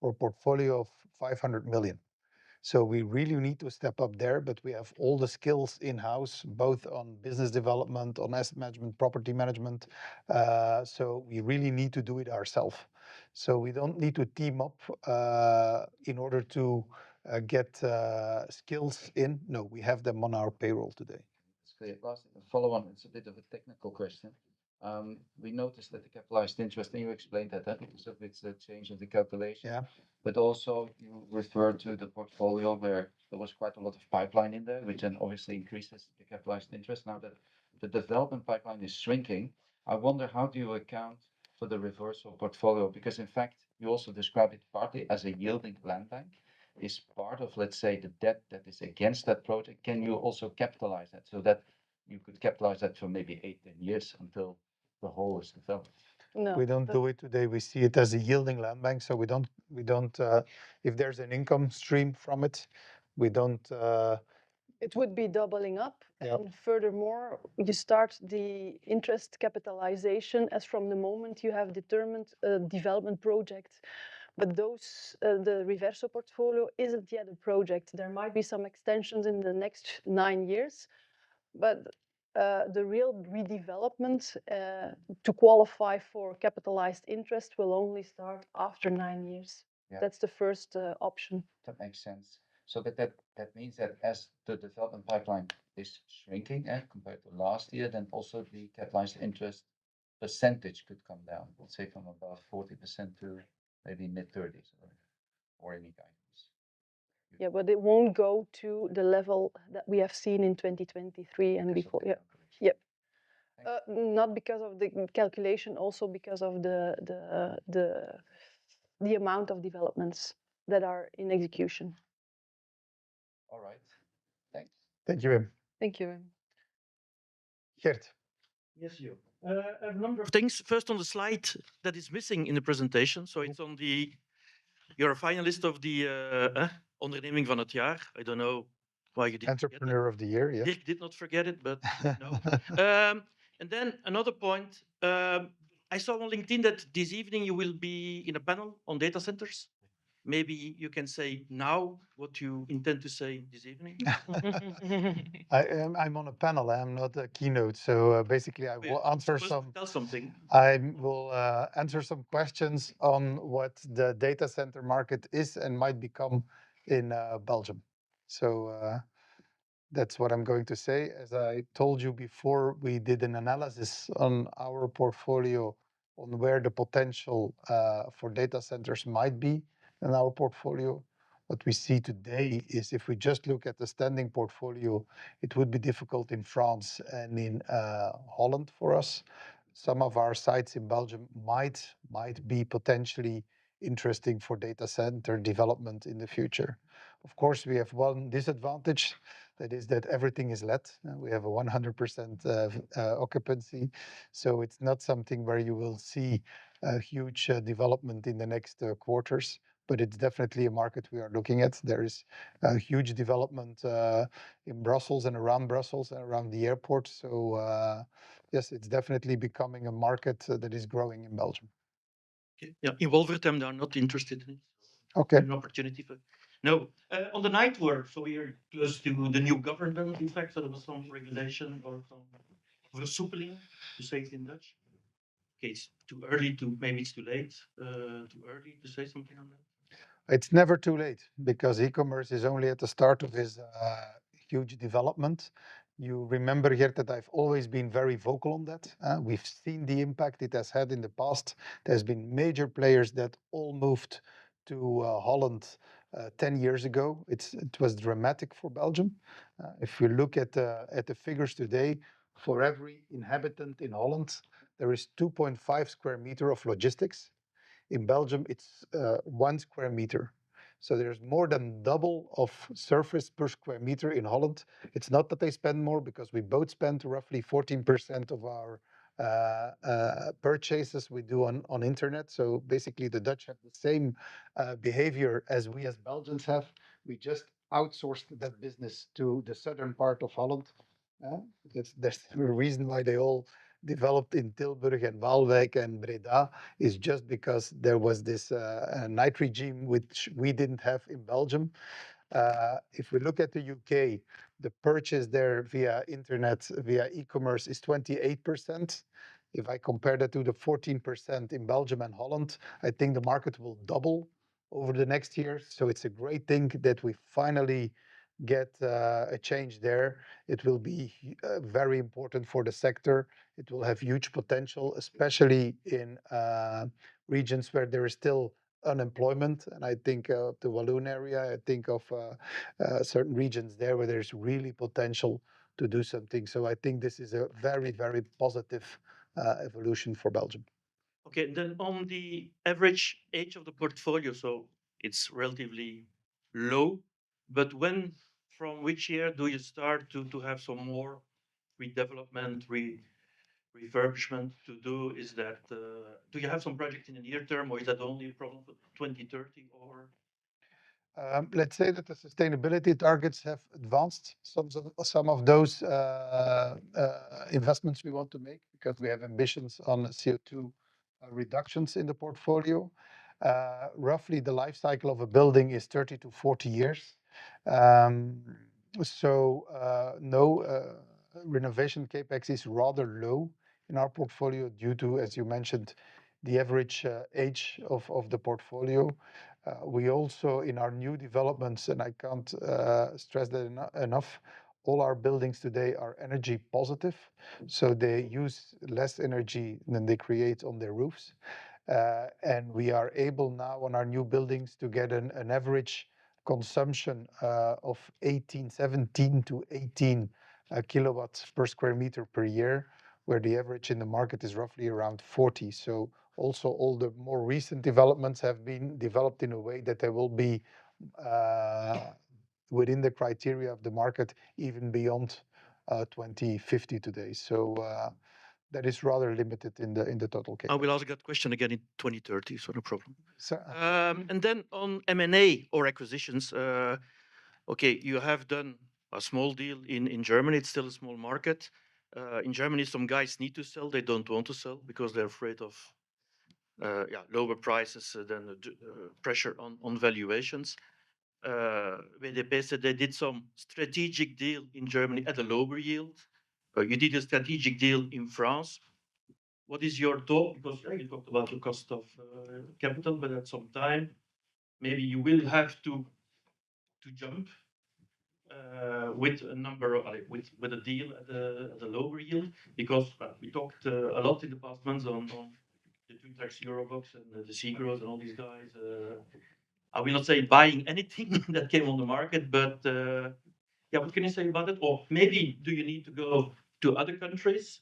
for a portfolio of 500 million. We really need to step up there, but we have all the skills in-house, both on business development, on asset management, property management. We really need to do it ourselves. We don't need to team up in order to get skills in. No, we have them on our payroll today. That's great. Last thing, a follow-on. It's a bit of a technical question. We noticed that the capitalized interest, and you explained that, that because of its change in the calculation. But also you referred to the portfolio where there was quite a lot of pipeline in there, which then obviously increases the capitalized interest. Now that the development pipeline is shrinking, I wonder how do you account for the residual portfolio? Because in fact, you also described it partly as a yielding land bank is part of, let's say, the debt that is against that project. Can you also capitalize that so that you could capitalize that for maybe eight, 10 years until the whole is developed? No. We don't do it today. We see it as a yielding land bank. So we don't, if there's an income stream from it, we don't. It would be doubling up. And furthermore, you start the interest capitalization as from the moment you have determined a development project. But the reversionary portfolio isn't yet a project. There might be some extensions in the next nine years. But the real redevelopment to qualify for capitalized interest will only start after nine years. That's the first option. That makes sense. So that means that as the development pipeline is shrinking compared to last year, then also the capitalized interest percentage could come down, let's say from about 40% to maybe mid-30s or any guidance? Yeah, but it won't go to the level that we have seen in 2023 and before. Yeah. Not because of the calculation, also because of the amount of developments that are in execution. All right. Thanks. Thank you, Vivien. Thank you, Vivien. Geert. Yes, you. A number of things. First, on the slide that is missing in the presentation. So it's on your final list of the Onderneming van het Jaar. I don't know why you didn't. Entrepreneur of the year, yeah. Did not forget it, but no. And then another point. I saw on LinkedIn that this evening you will be in a panel on data centers. Maybe you can say now what you intend to say this evening. I'm on a panel. I'm not a keynote. So basically, I will answer some. Tell something. I will answer some questions on what the data center market is and might become in Belgium. So that's what I'm going to say. As I told you before, we did an analysis on our portfolio on where the potential for data centers might be in our portfolio. What we see today is if we just look at the standing portfolio, it would be difficult in France and in Holland for us. Some of our sites in Belgium might be potentially interesting for data center development in the future. Of course, we have one disadvantage. That is that everything is let. We have a 100% occupancy. So it's not something where you will see a huge development in the next quarters, but it's definitely a market we are looking at. There is a huge development in Brussels and around Brussels and around the airport. Yes, it's definitely becoming a market that is growing in Belgium. Yeah. In Wolvertem, they are not interested in it. Okay. An opportunity for now. On the regulatory work, so we are close to the new government, in fact, so there was some regulation or some resolutie, to say it in Dutch. Okay. It's too early, maybe it's too late, too early to say something on that? It's never too late because e-commerce is only at the start of this huge development. You remember, Geert, that I've always been very vocal on that. We've seen the impact it has had in the past. There have been major players that all moved to Holland 10 years ago. It was dramatic for Belgium. If you look at the figures today, for every inhabitant in Holland, there is 2.5 square meters of logistics. In Belgium, it's one square meter. So there's more than double of surface per square meter in Holland. It's not that they spend more because we both spend roughly 14% of our purchases we do on the internet. So basically, the Dutch have the same behavior as we as Belgians have. We just outsourced that business to the southern part of Holland. There's a reason why they all developed in Tilburg and Waalwijk and Breda. It's just because there was this night regime which we didn't have in Belgium. If we look at the U.K., the purchase there via internet, via e-commerce is 28%. If I compare that to the 14% in Belgium and Holland, I think the market will double over the next year. It's a great thing that we finally get a change there. It will be very important for the sector. It will have huge potential, especially in regions where there is still unemployment, and I think of the Walloon area. I think of certain regions there where there's really potential to do something. I think this is a very, very positive evolution for Belgium. Okay. And then on the average age of the portfolio, so it's relatively low. But from which year do you start to have some more redevelopment, re-refurbishment to do? Is that, do you have some projects in the near term or is that only a problem for 2030 or? Let's say that the sustainability targets have advanced some of those investments we want to make because we have ambitions on CO2 reductions in the portfolio. Roughly, the lifecycle of a building is 30-40 years. Renovation CapEx is rather low in our portfolio due to, as you mentioned, the average age of the portfolio. We also, in our new developments, and I can't stress that enough, all our buildings today are energy positive. They use less energy than they create on their roofs. We are able now on our new buildings to get an average consumption of 17-18 kilowatts per square meter per year, where the average in the market is roughly around 40. All the more recent developments have been developed in a way that they will be within the criteria of the market, even beyond 2050 today. That is rather limited in the total cap. I will ask that question again in 2030, so no problem. Then on M&A or acquisitions, okay, you have done a small deal in Germany. It's still a small market. In Germany, some guys need to sell. They don't want to sell because they're afraid of lower prices and pressure on valuations. They said they did some strategic deal in Germany at a lower yield. You did a strategic deal in France. What is your thought? Because you talked about the cost of capital, but at some time, maybe you will have to jump with a number, with a deal at a lower yield because we talked a lot in the past months on the Tritax EuroBox and the SEGRO and all these guys. I will not say buying anything that came on the market, but yeah, what can you say about it? Or maybe do you need to go to other countries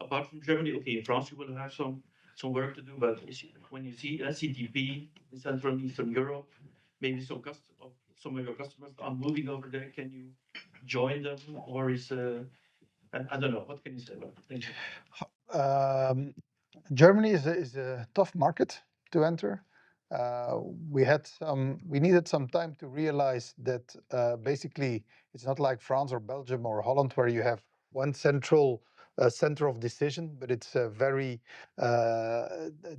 apart from Germany? Okay, in France, you will have some work to do, but when you see CTP in Central and Eastern Europe, maybe some of your customers are moving over there. Can you join them? Or is, I don't know, what can you say about it? Germany is a tough market to enter. We needed some time to realize that basically it's not like France or Belgium or Holland where you have one central center of decision, but it's a very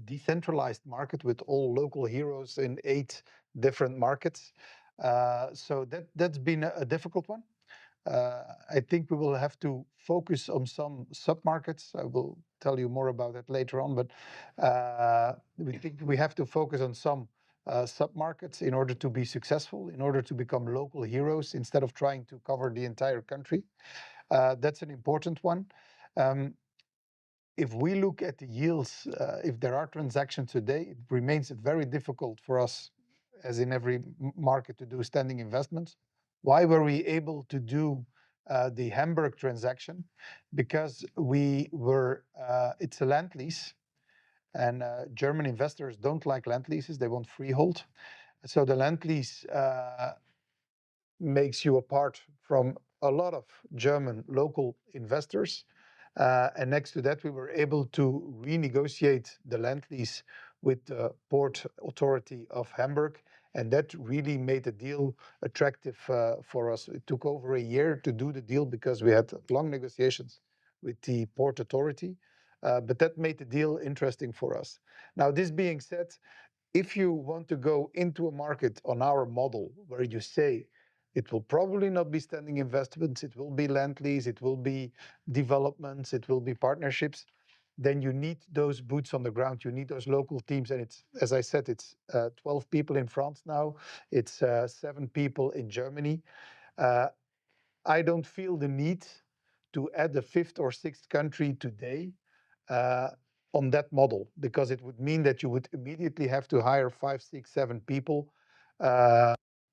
decentralized market with all local heroes in eight different markets. So that's been a difficult one. I think we will have to focus on some submarkets. I will tell you more about that later on, but we think we have to focus on some submarkets in order to be successful, in order to become local heroes instead of trying to cover the entire country. That's an important one. If we look at the yields, if there are transactions today, it remains very difficult for us, as in every market, to do standing investments. Why were we able to do the Hamburg transaction? Because it's a land lease. German investors don't like land leases. They want freehold. So the land lease sets you apart from a lot of German local investors. And next to that, we were able to renegotiate the land lease with the Port Authority of Hamburg. And that really made the deal attractive for us. It took over a year to do the deal because we had long negotiations with the Port Authority. But that made the deal interesting for us. Now, this being said, if you want to go into a market on our model where you say it will probably not be standing investments, it will be land lease, it will be developments, it will be partnerships, then you need those boots on the ground. You need those local teams. And as I said, it's 12 people in France now. It's seven people in Germany. I don't feel the need to add a fifth or sixth country today on that model because it would mean that you would immediately have to hire five, six, seven people.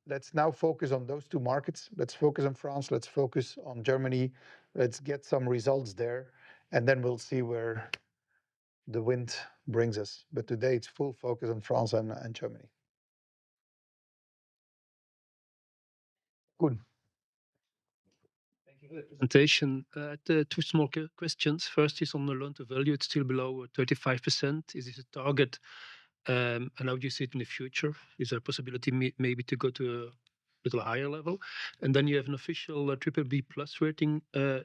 Let's now focus on those two markets. Let's focus on France. Let's focus on Germany. Let's get some results there, and then we'll see where the wind brings us, but today, it's full focus on France and Germany. Thank you for the presentation. Two small questions. First is on the loan-to-value. It's still below 35%. Is this a target? And how do you see it in the future? Is there a possibility maybe to go to a little higher level? And then you have an official triple B plus rating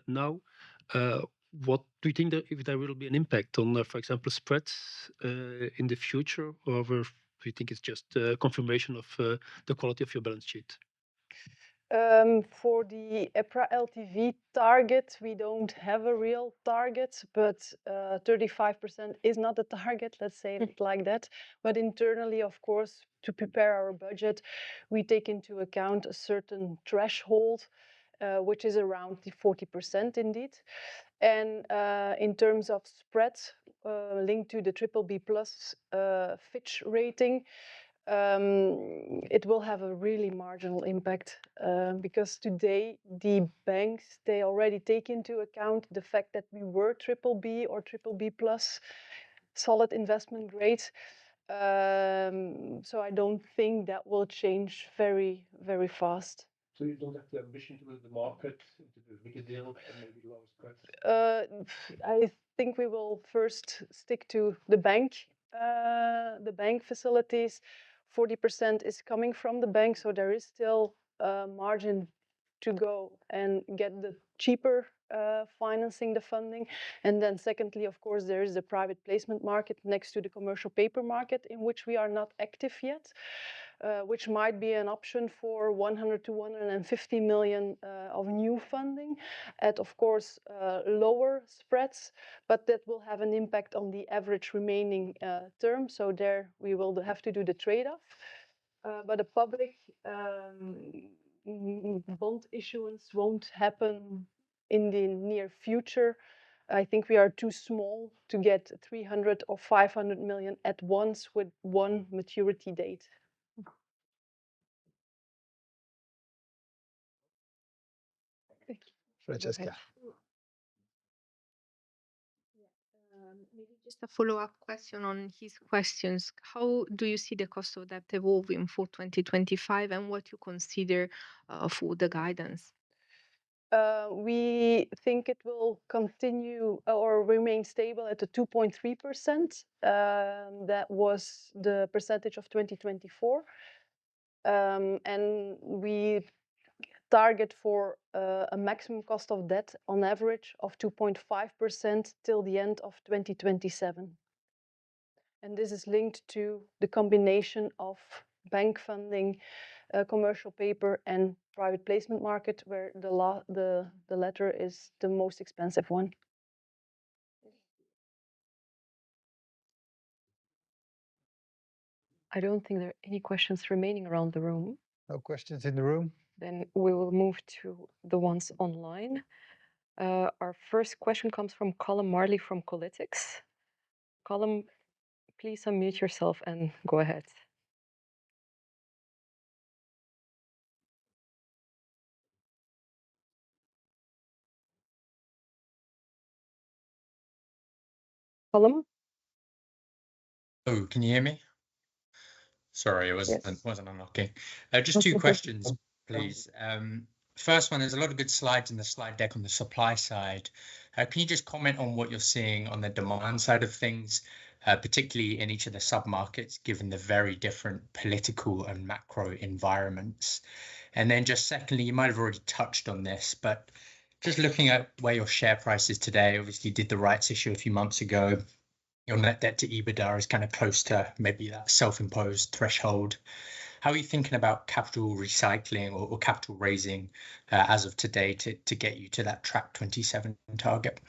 now. What do you think if there will be an impact on, for example, spreads in the future? Or do you think it's just confirmation of the quality of your balance sheet? For the EPRA LTV target, we don't have a real target, but 35% is not a target, let's say it like that. But internally, of course, to prepare our budget, we take into account a certain threshold, which is around 40% indeed. And in terms of spreads linked to the BBB+ Fitch rating, it will have a really marginal impact because today, the banks, they already take into account the fact that we were BBB or BBB plus solid investment grades. So I don't think that will change very, very fast. So you don't have the ambition to move the market into a bigger deal and maybe lower spreads? I think we will first stick to the bank facilities. 40% is coming from the bank, so there is still margin to go and get the cheaper financing, the funding. And then secondly, of course, there is the private placement market next to the commercial paper market in which we are not active yet, which might be an option for 100-150 million of new funding at, of course, lower spreads, but that will have an impact on the average remaining term, so there we will have to do the trade-off, but a public bond issuance won't happen in the near future. I think we are too small to get 300 or 500 million at once with one maturity date. Francesca. Maybe just a follow-up question on his questions. How do you see the cost of that evolving for 2025 and what you consider for the guidance? We think it will continue or remain stable at 2.3%. That was the percentage of 2024. We target for a maximum cost of debt on average of 2.5% till the end of 2027. This is linked to the combination of bank funding, commercial paper, and private placement market, where the latter is the most expensive one. I don't think there are any questions remaining around the room. No questions in the room. Then we will move to the ones online. Our first question comes from Callum Marley from Kolytics. Callum, please unmute yourself and go ahead. Callum? Hello. Can you hear me? Sorry, I wasn't unmuting. Just two questions, please. First one is a lot of good slides in the slide deck on the supply side. Can you just comment on what you're seeing on the demand side of things, particularly in each of the submarkets, given the very different political and macro environments? And then just secondly, you might have already touched on this, but just looking at where your share price is today, obviously you did the rights issue a few months ago. Your net debt to EBITDA is kind of close to maybe that self-imposed threshold. How are you thinking about capital recycling or capital raising as of today to get you to that Track27 target?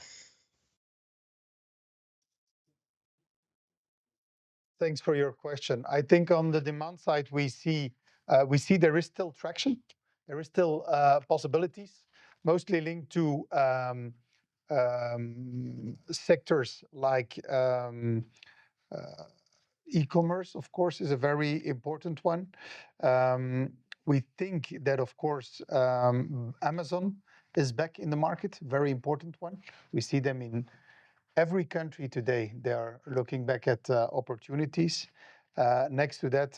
Thanks for your question. I think on the demand side, we see there is still traction. There are still possibilities, mostly linked to sectors like e-commerce, of course, is a very important one. We think that, of course, Amazon is back in the market, a very important one. We see them in every country today. They are looking back at opportunities. Next to that,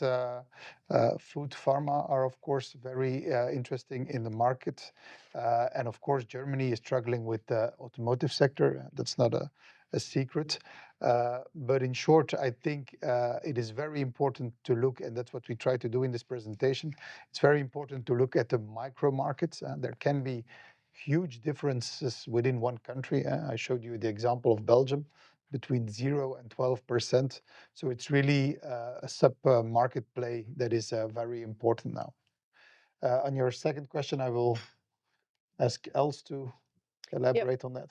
food, pharma are, of course, very interesting in the market. And of course, Germany is struggling with the automotive sector. That's not a secret. But in short, I think it is very important to look, and that's what we try to do in this presentation. It's very important to look at the micro markets. There can be huge differences within one country. I showed you the example of Belgium between 0% and 12%. So it's really a sub-market play that is very important now. On your second question, I will ask Els to elaborate on that.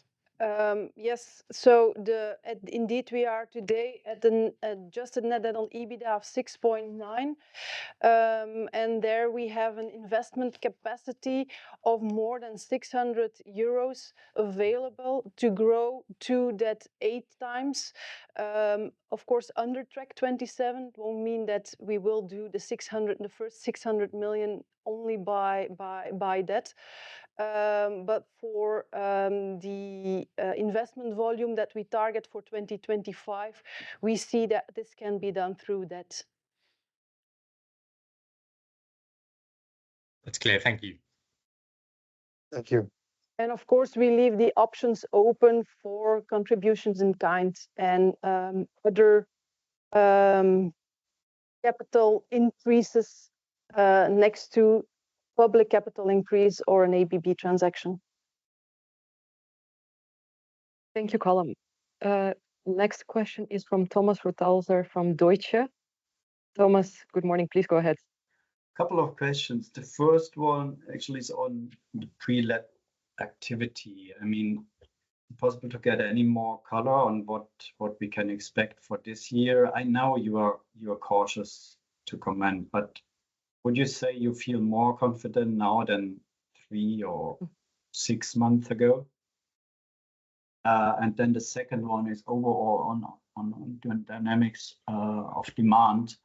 Yes, so indeed, we are today at just a net debt to EBITDA of 6.9. There we have an investment capacity of more than 600 million euros available to grow to that eight times. Of course, under Track27, it will mean that we will do the first 600 million only by debt. But for the investment volume that we target for 2025, we see that this can be done through debt. That's clear. Thank you. Thank you. Of course, we leave the options open for contributions in kind and other capital increases next to public capital increase or an ABB transaction. Thank you, Callum. Next question is from Thomas Rothaeusler from Deutsche. Thomas, good morning. Please go ahead. Couple of questions. The first one actually is on the pre-let activity. I mean, possible to get any more color on what we can expect for this year? I know you are cautious to comment, but would you say you feel more confident now than three or six months ago? And then the second one is overall on dynamics of demand,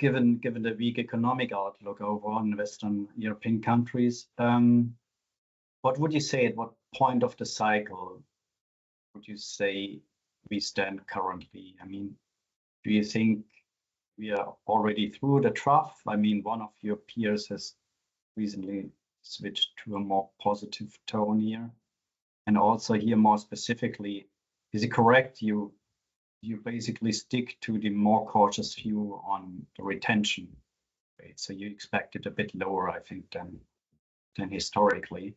given the weak economic outlook overall in Western European countries. What would you say at what point of the cycle would you say we stand currently? I mean, do you think we are already through the trough? I mean, one of your peers has recently switched to a more positive tone here. And also here, more specifically, is it correct you basically stick to the more cautious view on the retention rate? So you expect it a bit lower, I think, than historically.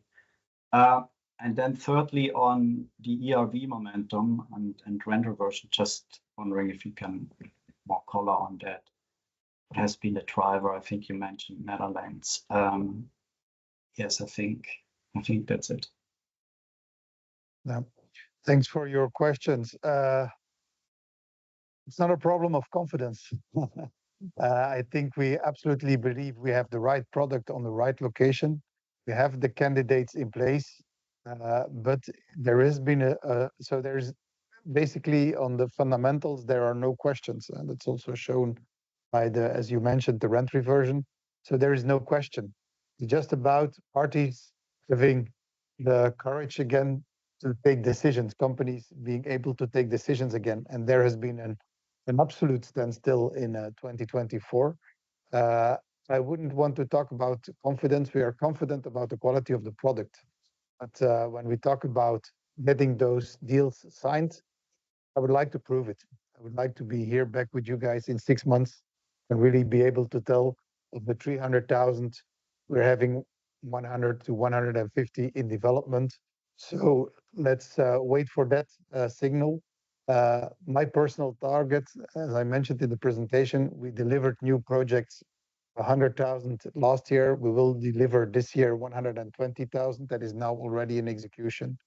Thirdly, on the ERV momentum and reversionary, just wondering if you can provide more color on that. It has been a driver, I think you mentioned Netherlands. Yes, I think that's it. Thanks for your questions. It's not a problem of confidence. I think we absolutely believe we have the right product on the right location. We have the candidates in place, but there has been, so there's basically on the fundamentals, there are no questions, and it's also shown by the, as you mentioned, the rent reversion, so there is no question. It's just about parties having the courage again to take decisions, companies being able to take decisions again, and there has been an absolute standstill in 2024. I wouldn't want to talk about confidence. We are confident about the quality of the product, but when we talk about getting those deals signed, I would like to prove it. I would like to be here back with you guys in six months and really be able to tell of the 300,000, we're having 100 to 150 in development. Let's wait for that signal. My personal target, as I mentioned in the presentation, we delivered new projects, 100,000 last year. We will deliver this year 120,000. That is now already in execution.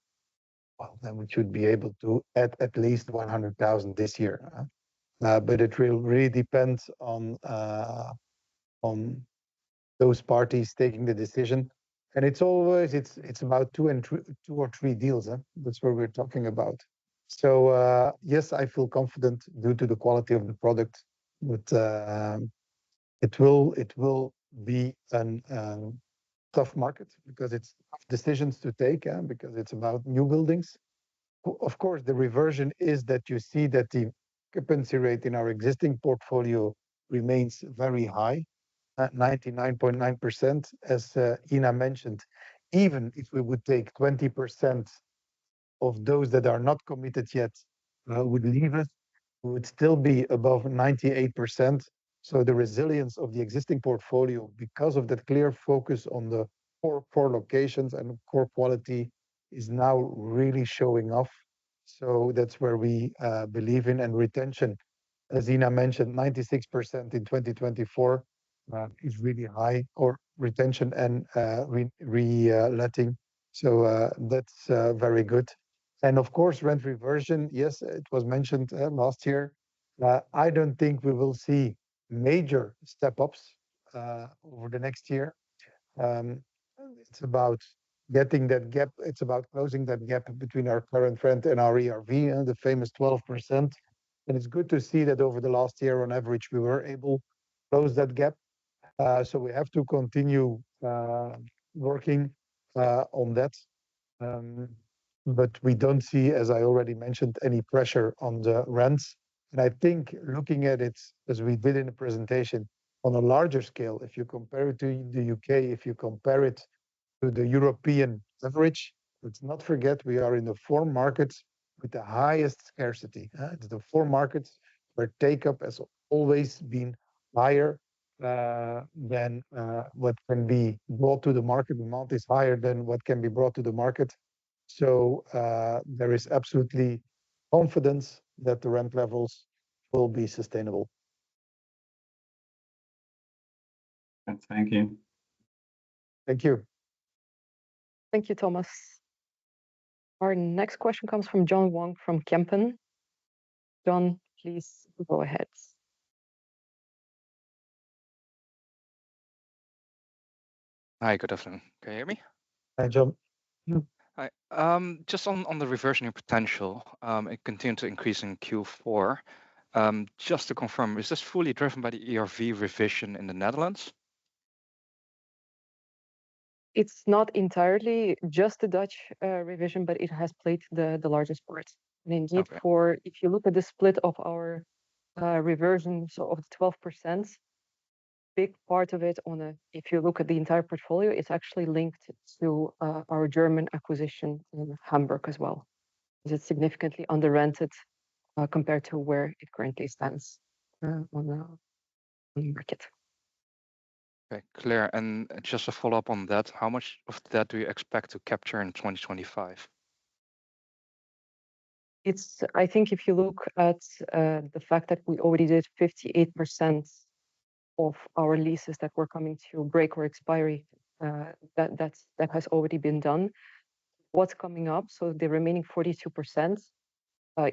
Then we should be able to add at least 100,000 this year. But it really depends on those parties taking the decision. It's always, it's about two or three deals. That's what we're talking about. Yes, I feel confident due to the quality of the product, but it will be a tough market because it's tough decisions to take because it's about new buildings. Of course, the reversion is that you see that the occupancy rate in our existing portfolio remains very high, 99.9%, as Inna mentioned. Even if we would take 20% of those that are not committed yet, we would leave it, we would still be above 98%. The resilience of the existing portfolio because of that clear focus on the core locations and core quality is now really paying off. That's where we believe in. Retention, as Inna mentioned, 96% in 2024 is really high, our retention and reletting. That's very good. Of course, rent reversion, yes, it was mentioned last year. I don't think we will see major step-ups over the next year. It's about getting that gap. It's about closing that gap between our current rent and our ERV and the famous 12%. It's good to see that over the last year, on average, we were able to close that gap. We have to continue working on that. We don't see, as I already mentioned, any pressure on the rents. I think looking at it as we did in the presentation on a larger scale, if you compare it to the U.K., if you compare it to the European average, let's not forget we are in the four markets with the highest scarcity. It's the four markets where take-up has always been higher than what can be brought to the market. The amount is higher than what can be brought to the market. There is absolute confidence that the rent levels will be sustainable. Thank you. Thank you. Thank you, Thomas. Our next question comes from John Vuong from Kempen. John, please go ahead. Hi, good afternoon. Can you hear me? Hi, John. Hi. Just on the reversionary potential, it continued to increase in Q4. Just to confirm, is this fully driven by the ERV revision in the Netherlands? It's not entirely just the Dutch revaluation, but it has played the largest part, and indeed, if you look at the split of our reversion of the 12%, a big part of it, if you look at the entire portfolio, it's actually linked to our German acquisition in Hamburg as well. It's significantly under-rented compared to where it currently stands on the market. Okay, clear. And just to follow up on that, how much of that do you expect to capture in 2025? I think if you look at the fact that we already did 58% of our leases that were coming to break or expiry, that has already been done. What's coming up, so the remaining 42%,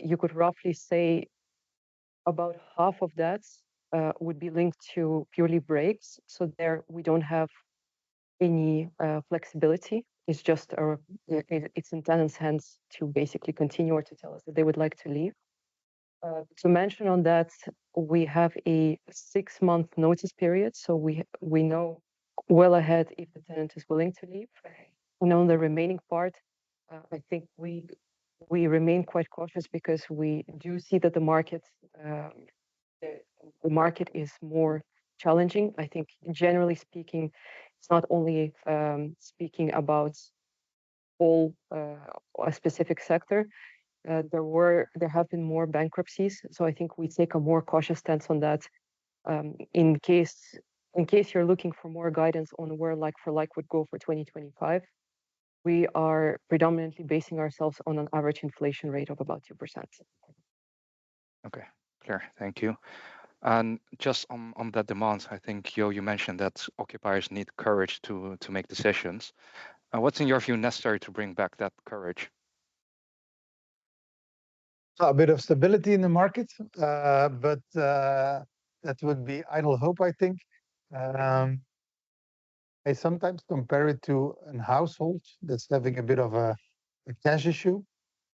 you could roughly say about half of that would be linked to purely breaks. So there we don't have any flexibility. It's just in tenants' hands to basically continue or to tell us that they would like to leave. To mention on that, we have a six-month notice period. So we know well ahead if the tenant is willing to leave. And on the remaining part, I think we remain quite cautious because we do see that the market is more challenging. I think generally speaking, it's not only speaking about a specific sector. There have been more bankruptcies. So I think we take a more cautious stance on that. In case you're looking for more guidance on where like-for-like would go for 2025, we are predominantly basing ourselves on an average inflation rate of about 2%. Okay, clear. Thank you. And just on that demand, I think you mentioned that occupiers need courage to make decisions. What's in your view necessary to bring back that courage? A bit of stability in the market, but that would be idle hope, I think. I sometimes compare it to a household that's having a bit of a cash issue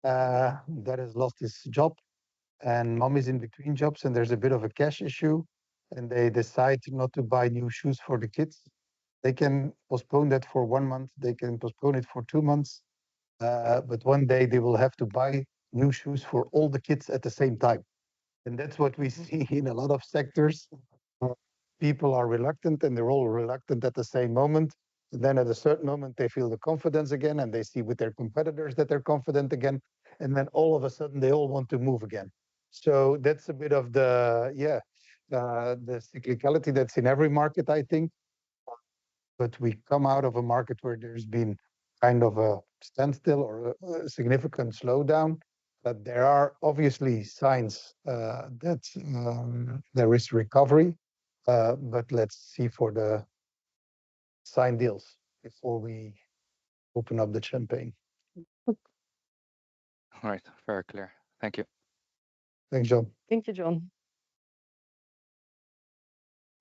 that has lost its job and mom is in between jobs and there's a bit of a cash issue and they decide not to buy new shoes for the kids. They can postpone that for one month. They can postpone it for two months, but one day they will have to buy new shoes for all the kids at the same time, and that's what we see in a lot of sectors. People are reluctant and they're all reluctant at the same moment, and then at a certain moment, they feel the confidence again and they see with their competitors that they're confident again, and then all of a sudden, they all want to move again. So that's a bit of the, yeah, the cyclicality that's in every market, I think. But we come out of a market where there's been kind of a standstill or a significant slowdown, but there are obviously signs that there is recovery. But let's see for the signed deals before we open up the champagne. All right. Very clear. Thank you. Thanks, John. Thank you, John.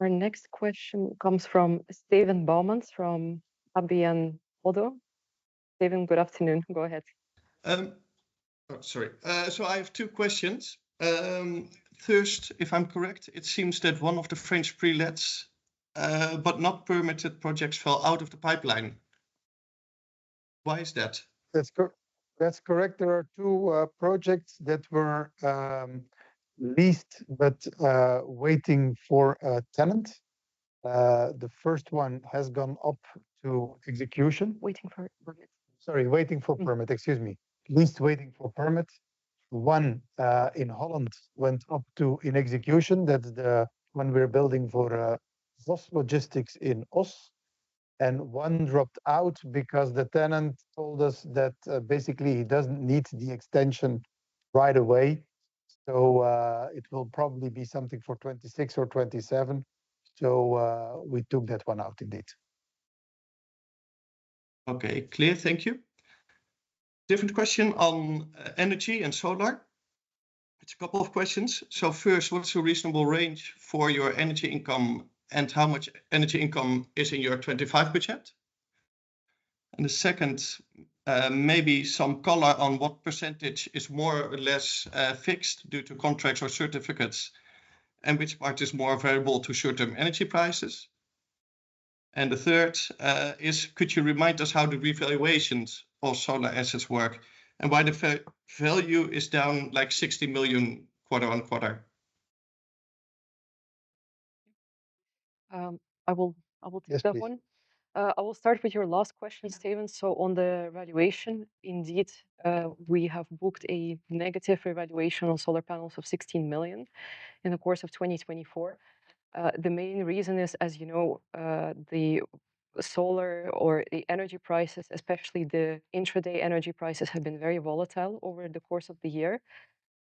Our next question comes from Steven Boumans from ABN AMRO ODDO. Steven, good afternoon. Go ahead. Sorry. So I have two questions. First, if I'm correct, it seems that one of the French pre-lets, but non-permitted projects fell out of the pipeline. Why is that? That's correct. There are two projects that were leased, but waiting for a tenant. The first one has gone up to execution. Waiting for permit. Sorry, waiting for permit. Excuse me. Leased waiting for permit. One in Holland went up to in execution. That's when we're building for Vos Logistics in Oss. One dropped out because the tenant told us that basically he doesn't need the extension right away. It will probably be something for 2026 or 2027. We took that one out indeed. Okay, clear. Thank you. Different question on energy and solar. It's a couple of questions. So first, what's a reasonable range for your energy income and how much energy income is in your 25% budget? And the second, maybe some color on what percentage is more or less fixed due to contracts or certificates and which part is more available to short-term energy prices. And the third is, could you remind us how the revaluations of solar assets work and why the value is down like 60 million quarter on quarter? I will take that one. I will start with your last question, Steven. So on the valuation, indeed, we have booked a negative revaluation on solar panels of 16 million in the course of 2024. The main reason is, as you know, the solar or the energy prices, especially the intraday energy prices, have been very volatile over the course of the year.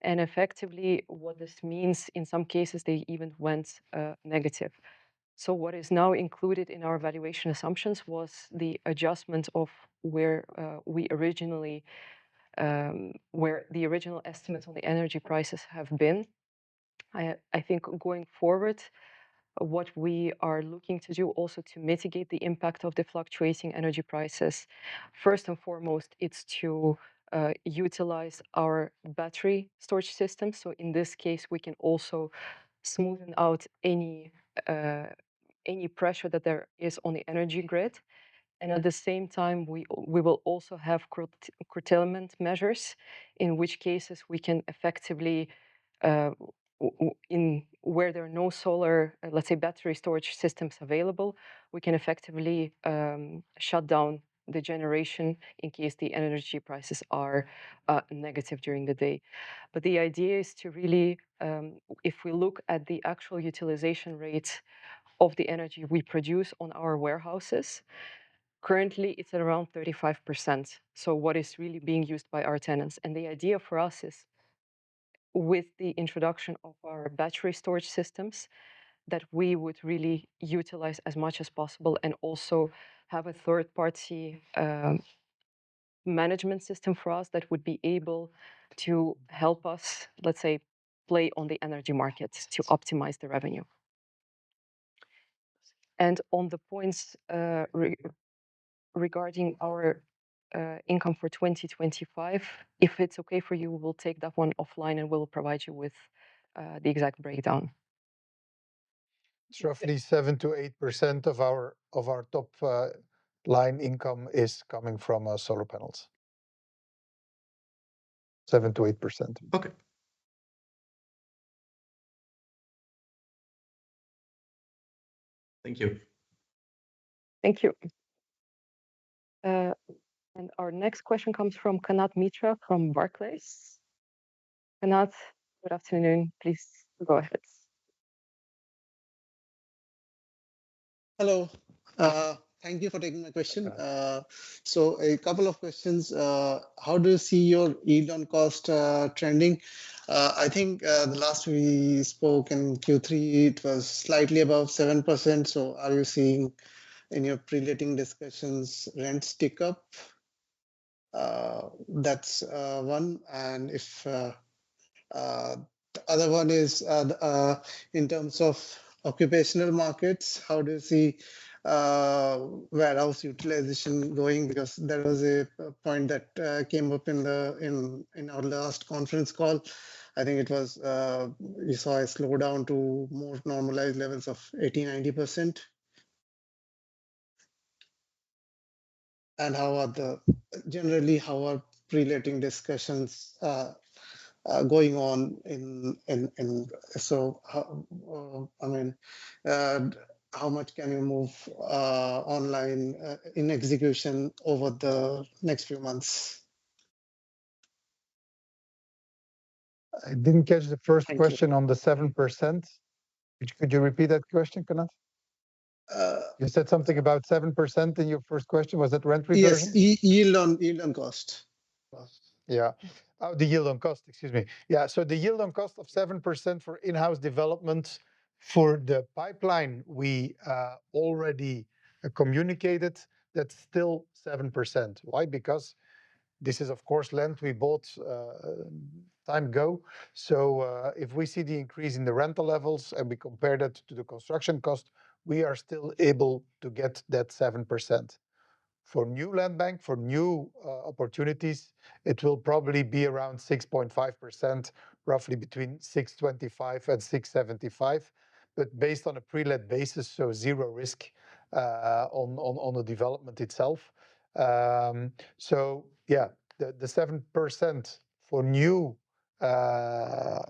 And effectively, what this means, in some cases, they even went negative. So what is now included in our valuation assumptions was the adjustment of where we originally, where the original estimates on the energy prices have been. I think going forward, what we are looking to do also to mitigate the impact of the fluctuating energy prices, first and foremost, it's to utilize our battery storage system. So in this case, we can also smoothen out any pressure that there is on the energy grid. At the same time, we will also have curtailment measures, in which cases we can effectively, in where there are no solar, let's say, battery storage systems available, we can effectively shut down the generation in case the energy prices are negative during the day, but the idea is to really, if we look at the actual utilization rate of the energy we produce on our warehouses, currently it's around 35%, so what is really being used by our tenants, and the idea for us is with the introduction of our battery storage systems that we would really utilize as much as possible and also have a third-party management system for us that would be able to help us, let's say, play on the energy markets to optimize the revenue. On the points regarding our income for 2025, if it's okay for you, we'll take that one offline and we'll provide you with the exact breakdown. Roughly 7%-8% of our top line income is coming from solar panels. 7%-8%. Okay. Thank you. Thank you. And our next question comes from Kanad Mitra from Barclays. Kanad, good afternoon. Please go ahead. Hello. Thank you for taking my question. So a couple of questions. How do you see your yield on cost trending? I think the last time we spoke in Q3, it was slightly above 7%. So are you seeing in your pre-letting discussions rents ticking up? That's one. And the other one is in terms of occupational markets, how do you see warehouse utilization going? Because there was a point that came up in our last conference call. I think it was you saw a slowdown to more normalized levels of 80%-90%. And generally, how are pre-letting discussions going on? So I mean, how much can you move on letting execution over the next few months? I didn't catch the first question on the 7%. Could you repeat that question, Kanad? You said something about 7% in your first question. Was that rent reversion? Yes. Yield on Cost. Cost. Yeah. The yield on cost, excuse me. Yeah. So the yield on cost of 7% for in-house development for the pipeline, we already communicated that's still 7%. Why? Because this is, of course, land we bought time ago. So if we see the increase in the rental levels and we compare that to the construction cost, we are still able to get that 7%. For new land bank, for new opportunities, it will probably be around 6.5%, roughly between 6.25% and 6.75%. But based on a pre-let basis, so zero risk on the development itself. So yeah, the 7% for new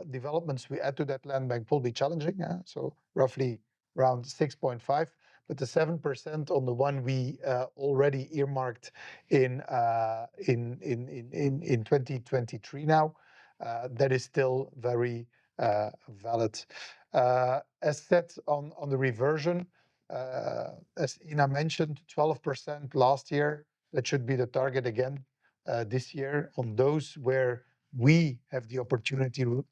developments we add to that land bank will be challenging. So roughly around 6.5%. But the 7% on the one we already earmarked in 2023 now, that is still very valid. As said on the reversion, as Inna mentioned, 12% last year, that should be the target again this year on those where we have the opportunity to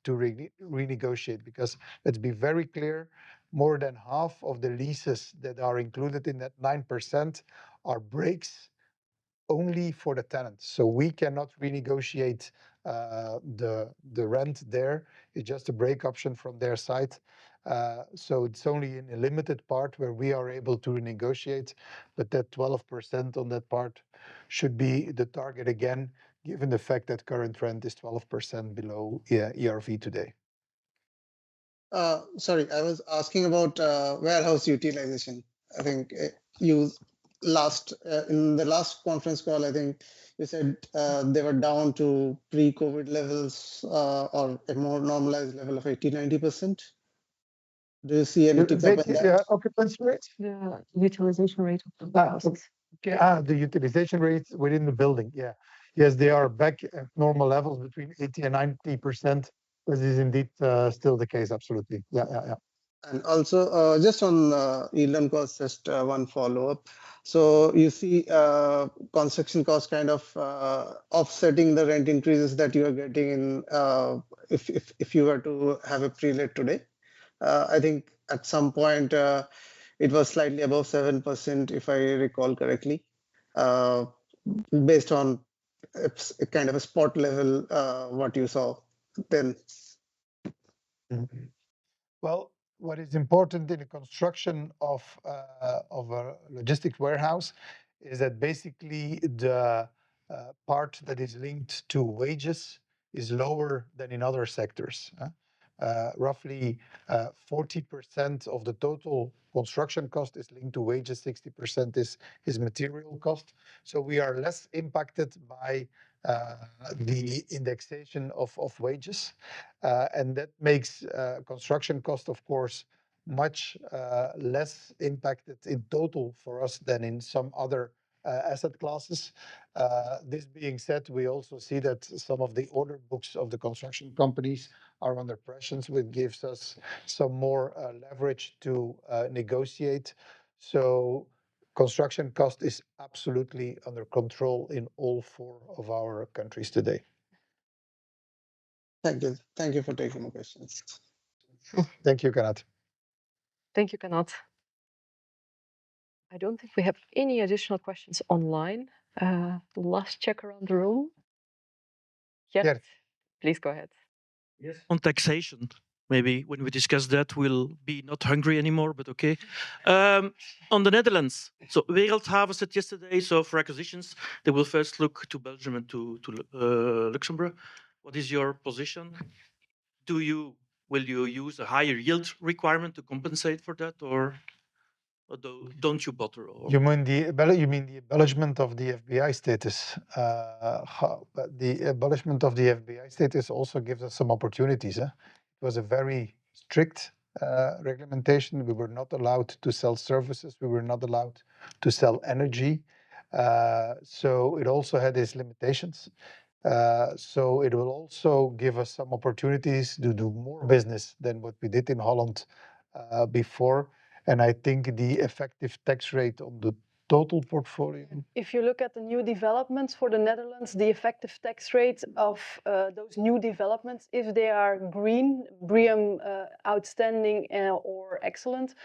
renegotiate. Because let's be very clear, more than half of the leases that are included in that 9% are breaks only for the tenants. So we cannot renegotiate the rent there. It's just a break option from their side. So it's only in a limited part where we are able to renegotiate. But that 12% on that part should be the target again, given the fact that current rent is 12% below ERV today. Sorry, I was asking about warehouse utilization. I think in the last conference call, I think you said they were down to pre-COVID levels or a more normalized level of 80%, 90%. Do you see anything? Yeah. Occupancy rate? The utilization rate of the warehouse. The utilization rate within the building, yeah. Yes, they are back at normal levels between 80% and 90%. That is indeed still the case. Absolutely. Yeah, yeah, yeah. Also just on yield on cost, just one follow-up. You see construction cost kind of offsetting the rent increases that you are getting if you were to have a pre-let today. I think at some point it was slightly above 7%, if I recall correctly, based on kind of a spot level what you saw then. What is important in the construction of a logistics warehouse is that basically the part that is linked to wages is lower than in other sectors. Roughly 40% of the total construction cost is linked to wages. 60% is material cost. We are less impacted by the indexation of wages. And that makes construction cost, of course, much less impacted in total for us than in some other asset classes. This being said, we also see that some of the order books of the construction companies are under pressure, which gives us some more leverage to negotiate. Construction cost is absolutely under control in all four of our countries today. Thank you. Thank you for taking the questions. Thank you, Kanad. Thank you, Kanad. I don't think we have any additional questions online. Last check around the room. Yes? Geert. Please go ahead. Yes. On taxation, maybe when we discuss that, we'll be not hungry anymore, but okay. On the Netherlands, so we have said yesterday, so for acquisitions, they will first look to Belgium and to Luxembourg. What is your position? Will you use a higher yield requirement to compensate for that, or don't you bother? You mean the abolishment of the FBI status? The abolishment of the FBI status also gives us some opportunities. It was a very strict regulation. We were not allowed to sell services. We were not allowed to sell energy. So it also had its limitations. So it will also give us some opportunities to do more business than what we did in Holland before. And I think the effective tax rate on the total portfolio. If you look at the new developments for the Netherlands, the effective tax rate of those new developments, if they are green, BREEAM, outstanding, or excellent,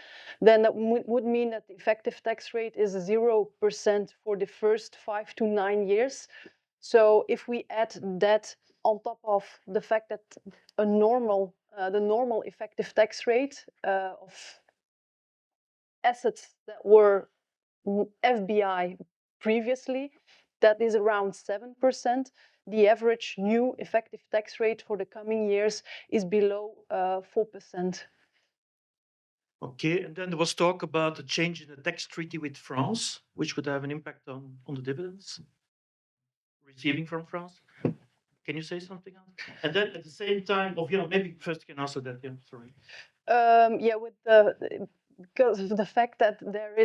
then that would mean that the effective tax rate is 0% for the first five to nine years. So if we add that on top of the fact that the normal effective tax rate of assets that were FBI previously, that is around 7%. The average new effective tax rate for the coming years is below 4%. Okay. And then there was talk about a change in the tax treaty with France, which would have an impact on the dividends received from France. Can you say something on? And then at the same time, maybe first you can answer that. Yeah, sorry. Yeah, because of the fact that there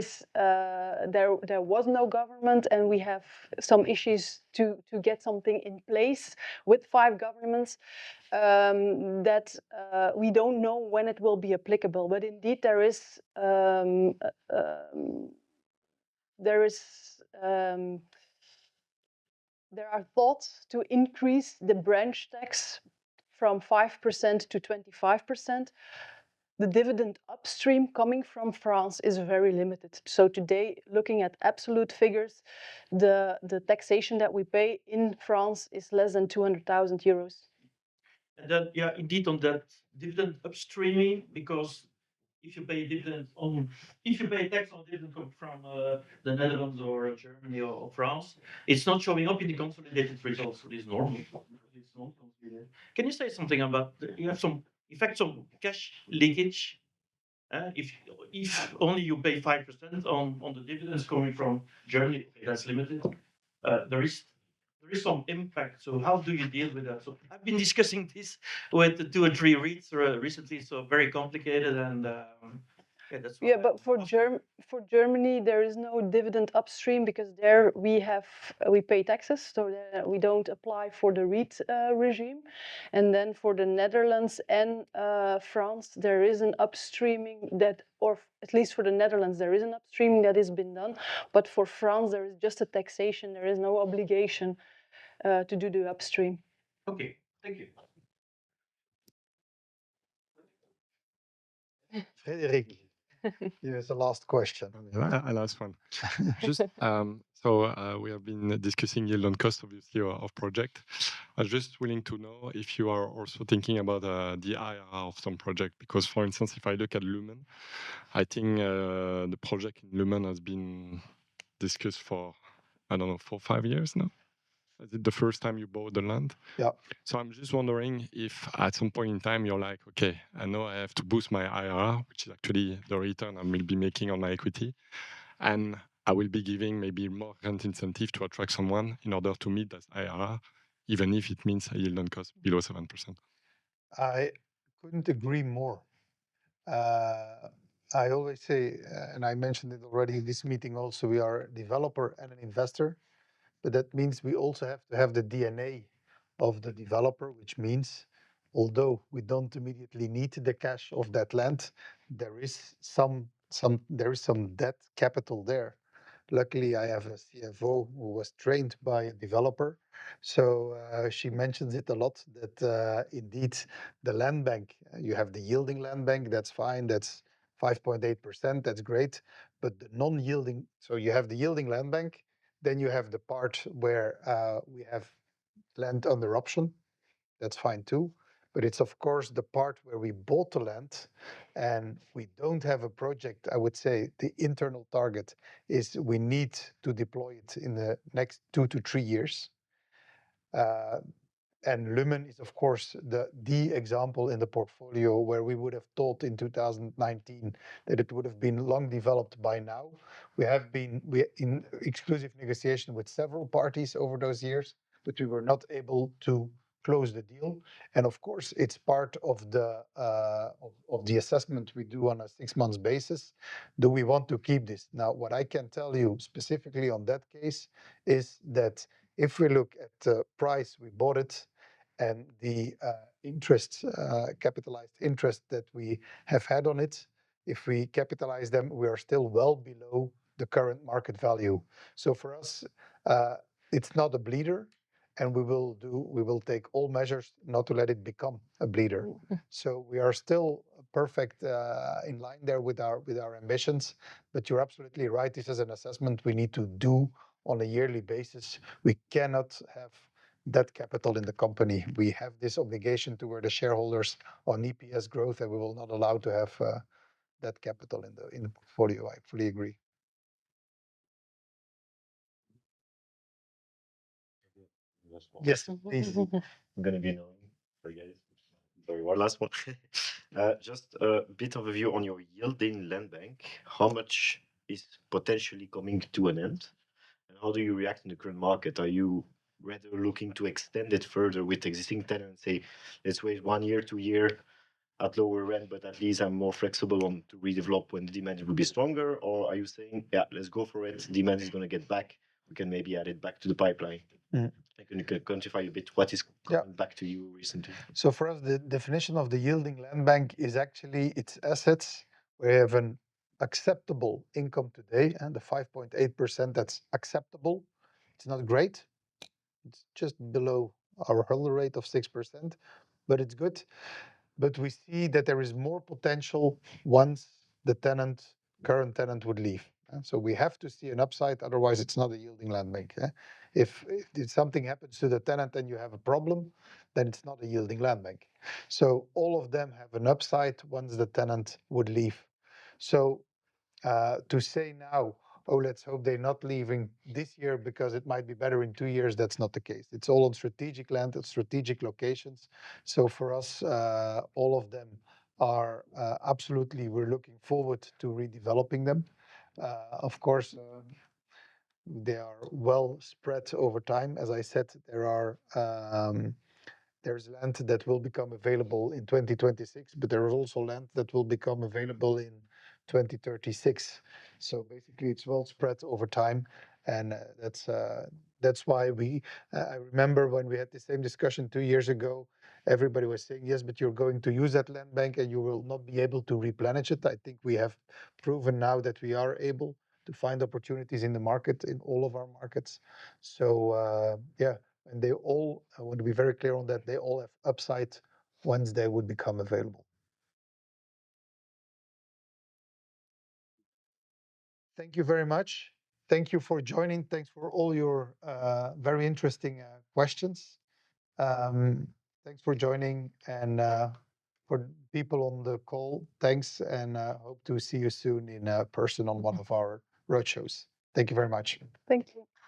was no government and we have some issues to get something in place with five governments, that we don't know when it will be applicable. But indeed, there are thoughts to increase the branch tax from 5% to 25%. The dividend upstream coming from France is very limited. So today, looking at absolute figures, the taxation that we pay in France is less than 200,000 euros. And then, yeah, indeed on that dividend upstream, because if you pay dividend on, if you pay tax on dividend from the Netherlands or Germany or France, it's not showing up in the consolidated results. So it's normal. It's not consolidated. Can you say something about, in fact, some cash leakage? If only you pay 5% on the dividends coming from Germany, that's limited. There is some impact. So how do you deal with that? So I've been discussing this with two or three REITs recently. So very complicated. And yeah, that's why. Yeah, but for Germany, there is no dividend upstream because there we pay taxes. So we don't apply for the REIT regime. And then for the Netherlands and France, there is an upstream that, or at least for the Netherlands, there is an upstream that has been done. But for France, there is just a taxation. There is no obligation to do the upstream. Okay. Thank you. Frédéric, here's the last question. The last one. Just so we have been discussing yield on cost, obviously, of projects. I was just wondering if you are also thinking about the IRR of some projects. Because, for instance, if I look at Lummen, I think the project in Lummen has been discussed for, I don't know, four, five years now. Is it the first time you bought the land? Yeah. I'm just wondering if at some point in time, you're like, "Okay, I know I have to boost my IRR, which is actually the return I will be making on my equity. And I will be giving maybe more rent incentive to attract someone in order to meet that IRR, even if it means a yield on cost below 7%. I couldn't agree more. I always say, and I mentioned it already in this meeting also, we are a developer and an investor. But that means we also have to have the DNA of the developer, which means although we don't immediately need the cash of that land, there is some debt capital there. Luckily, I have a CFO who was trained by a developer. So she mentions it a lot that indeed the land bank, you have the yielding land bank, that's fine. That's 5.8%. That's great. But the non-yielding, so you have the yielding land bank, then you have the part where we have land under option. That's fine too. But it's, of course, the part where we bought the land and we don't have a project. I would say the internal target is we need to deploy it in the next two to three years. And Lummen is, of course, the example in the portfolio where we would have thought in 2019 that it would have been long developed by now. We have been in exclusive negotiation with several parties over those years, but we were not able to close the deal. And of course, it's part of the assessment we do on a six-month basis. Do we want to keep this? Now, what I can tell you specifically on that case is that if we look at the price we bought it and the interest, capitalized interest that we have had on it, if we capitalize them, we are still well below the current market value. So for us, it's not a bleeder. And we will take all measures not to let it become a bleeder. So we are still perfect in line there with our ambitions. But you're absolutely right. This is an assessment we need to do on a yearly basis. We cannot have that capital in the company. We have this obligation toward the shareholders on EPS growth, and we will not allow to have that capital in the portfolio. I fully agree. Yes. I'm going to be annoying for you guys. Sorry, one last one. Just a bit of a view on your land bank. How much is potentially coming to an end? And how do you react in the current market? Are you rather looking to extend it further with existing tenants and say, "Let's wait one year, two years at lower rent, but at least I'm more flexible to redevelop when demand will be stronger"? Or are you saying, "Yeah, let's go for it. Demand is going to get back. We can maybe add it back to the pipeline"? I can quantify a bit what is coming back to you recently. For us, the definition of the yielding land bank is actually its assets. We have an acceptable income today, and the 5.8%, that's acceptable. It's not great. It's just below our hurdle rate of 6%, but it's good. But we see that there is more potential once the current tenant would leave. So we have to see an upside. Otherwise, it's not a yielding land bank. If something happens to the tenant and you have a problem, then it's not a yielding land bank. So all of them have an upside once the tenant would leave. So to say now, "Oh, let's hope they're not leaving this year because it might be better in two years," that's not the case. It's all on strategic land, on strategic locations. So for us, all of them are absolutely, we're looking forward to redeveloping them. Of course, they are well spread over time. As I said, there is land that will become available in 2026, but there is also land that will become available in 2036. So basically, it's well spread over time. And that's why I remember when we had the same discussion two years ago, everybody was saying, "Yes, but you're going to use that land bank and you will not be able to replenish it." I think we have proven now that we are able to find opportunities in the market, in all of our markets. So yeah, and they all, I want to be very clear on that, they all have upside once they would become available. Thank you very much. Thank you for joining. Thanks for all your very interesting questions. Thanks for joining. And for people on the call, thanks. I hope to see you soon in person on one of our road shows. Thank you very much. Thank you.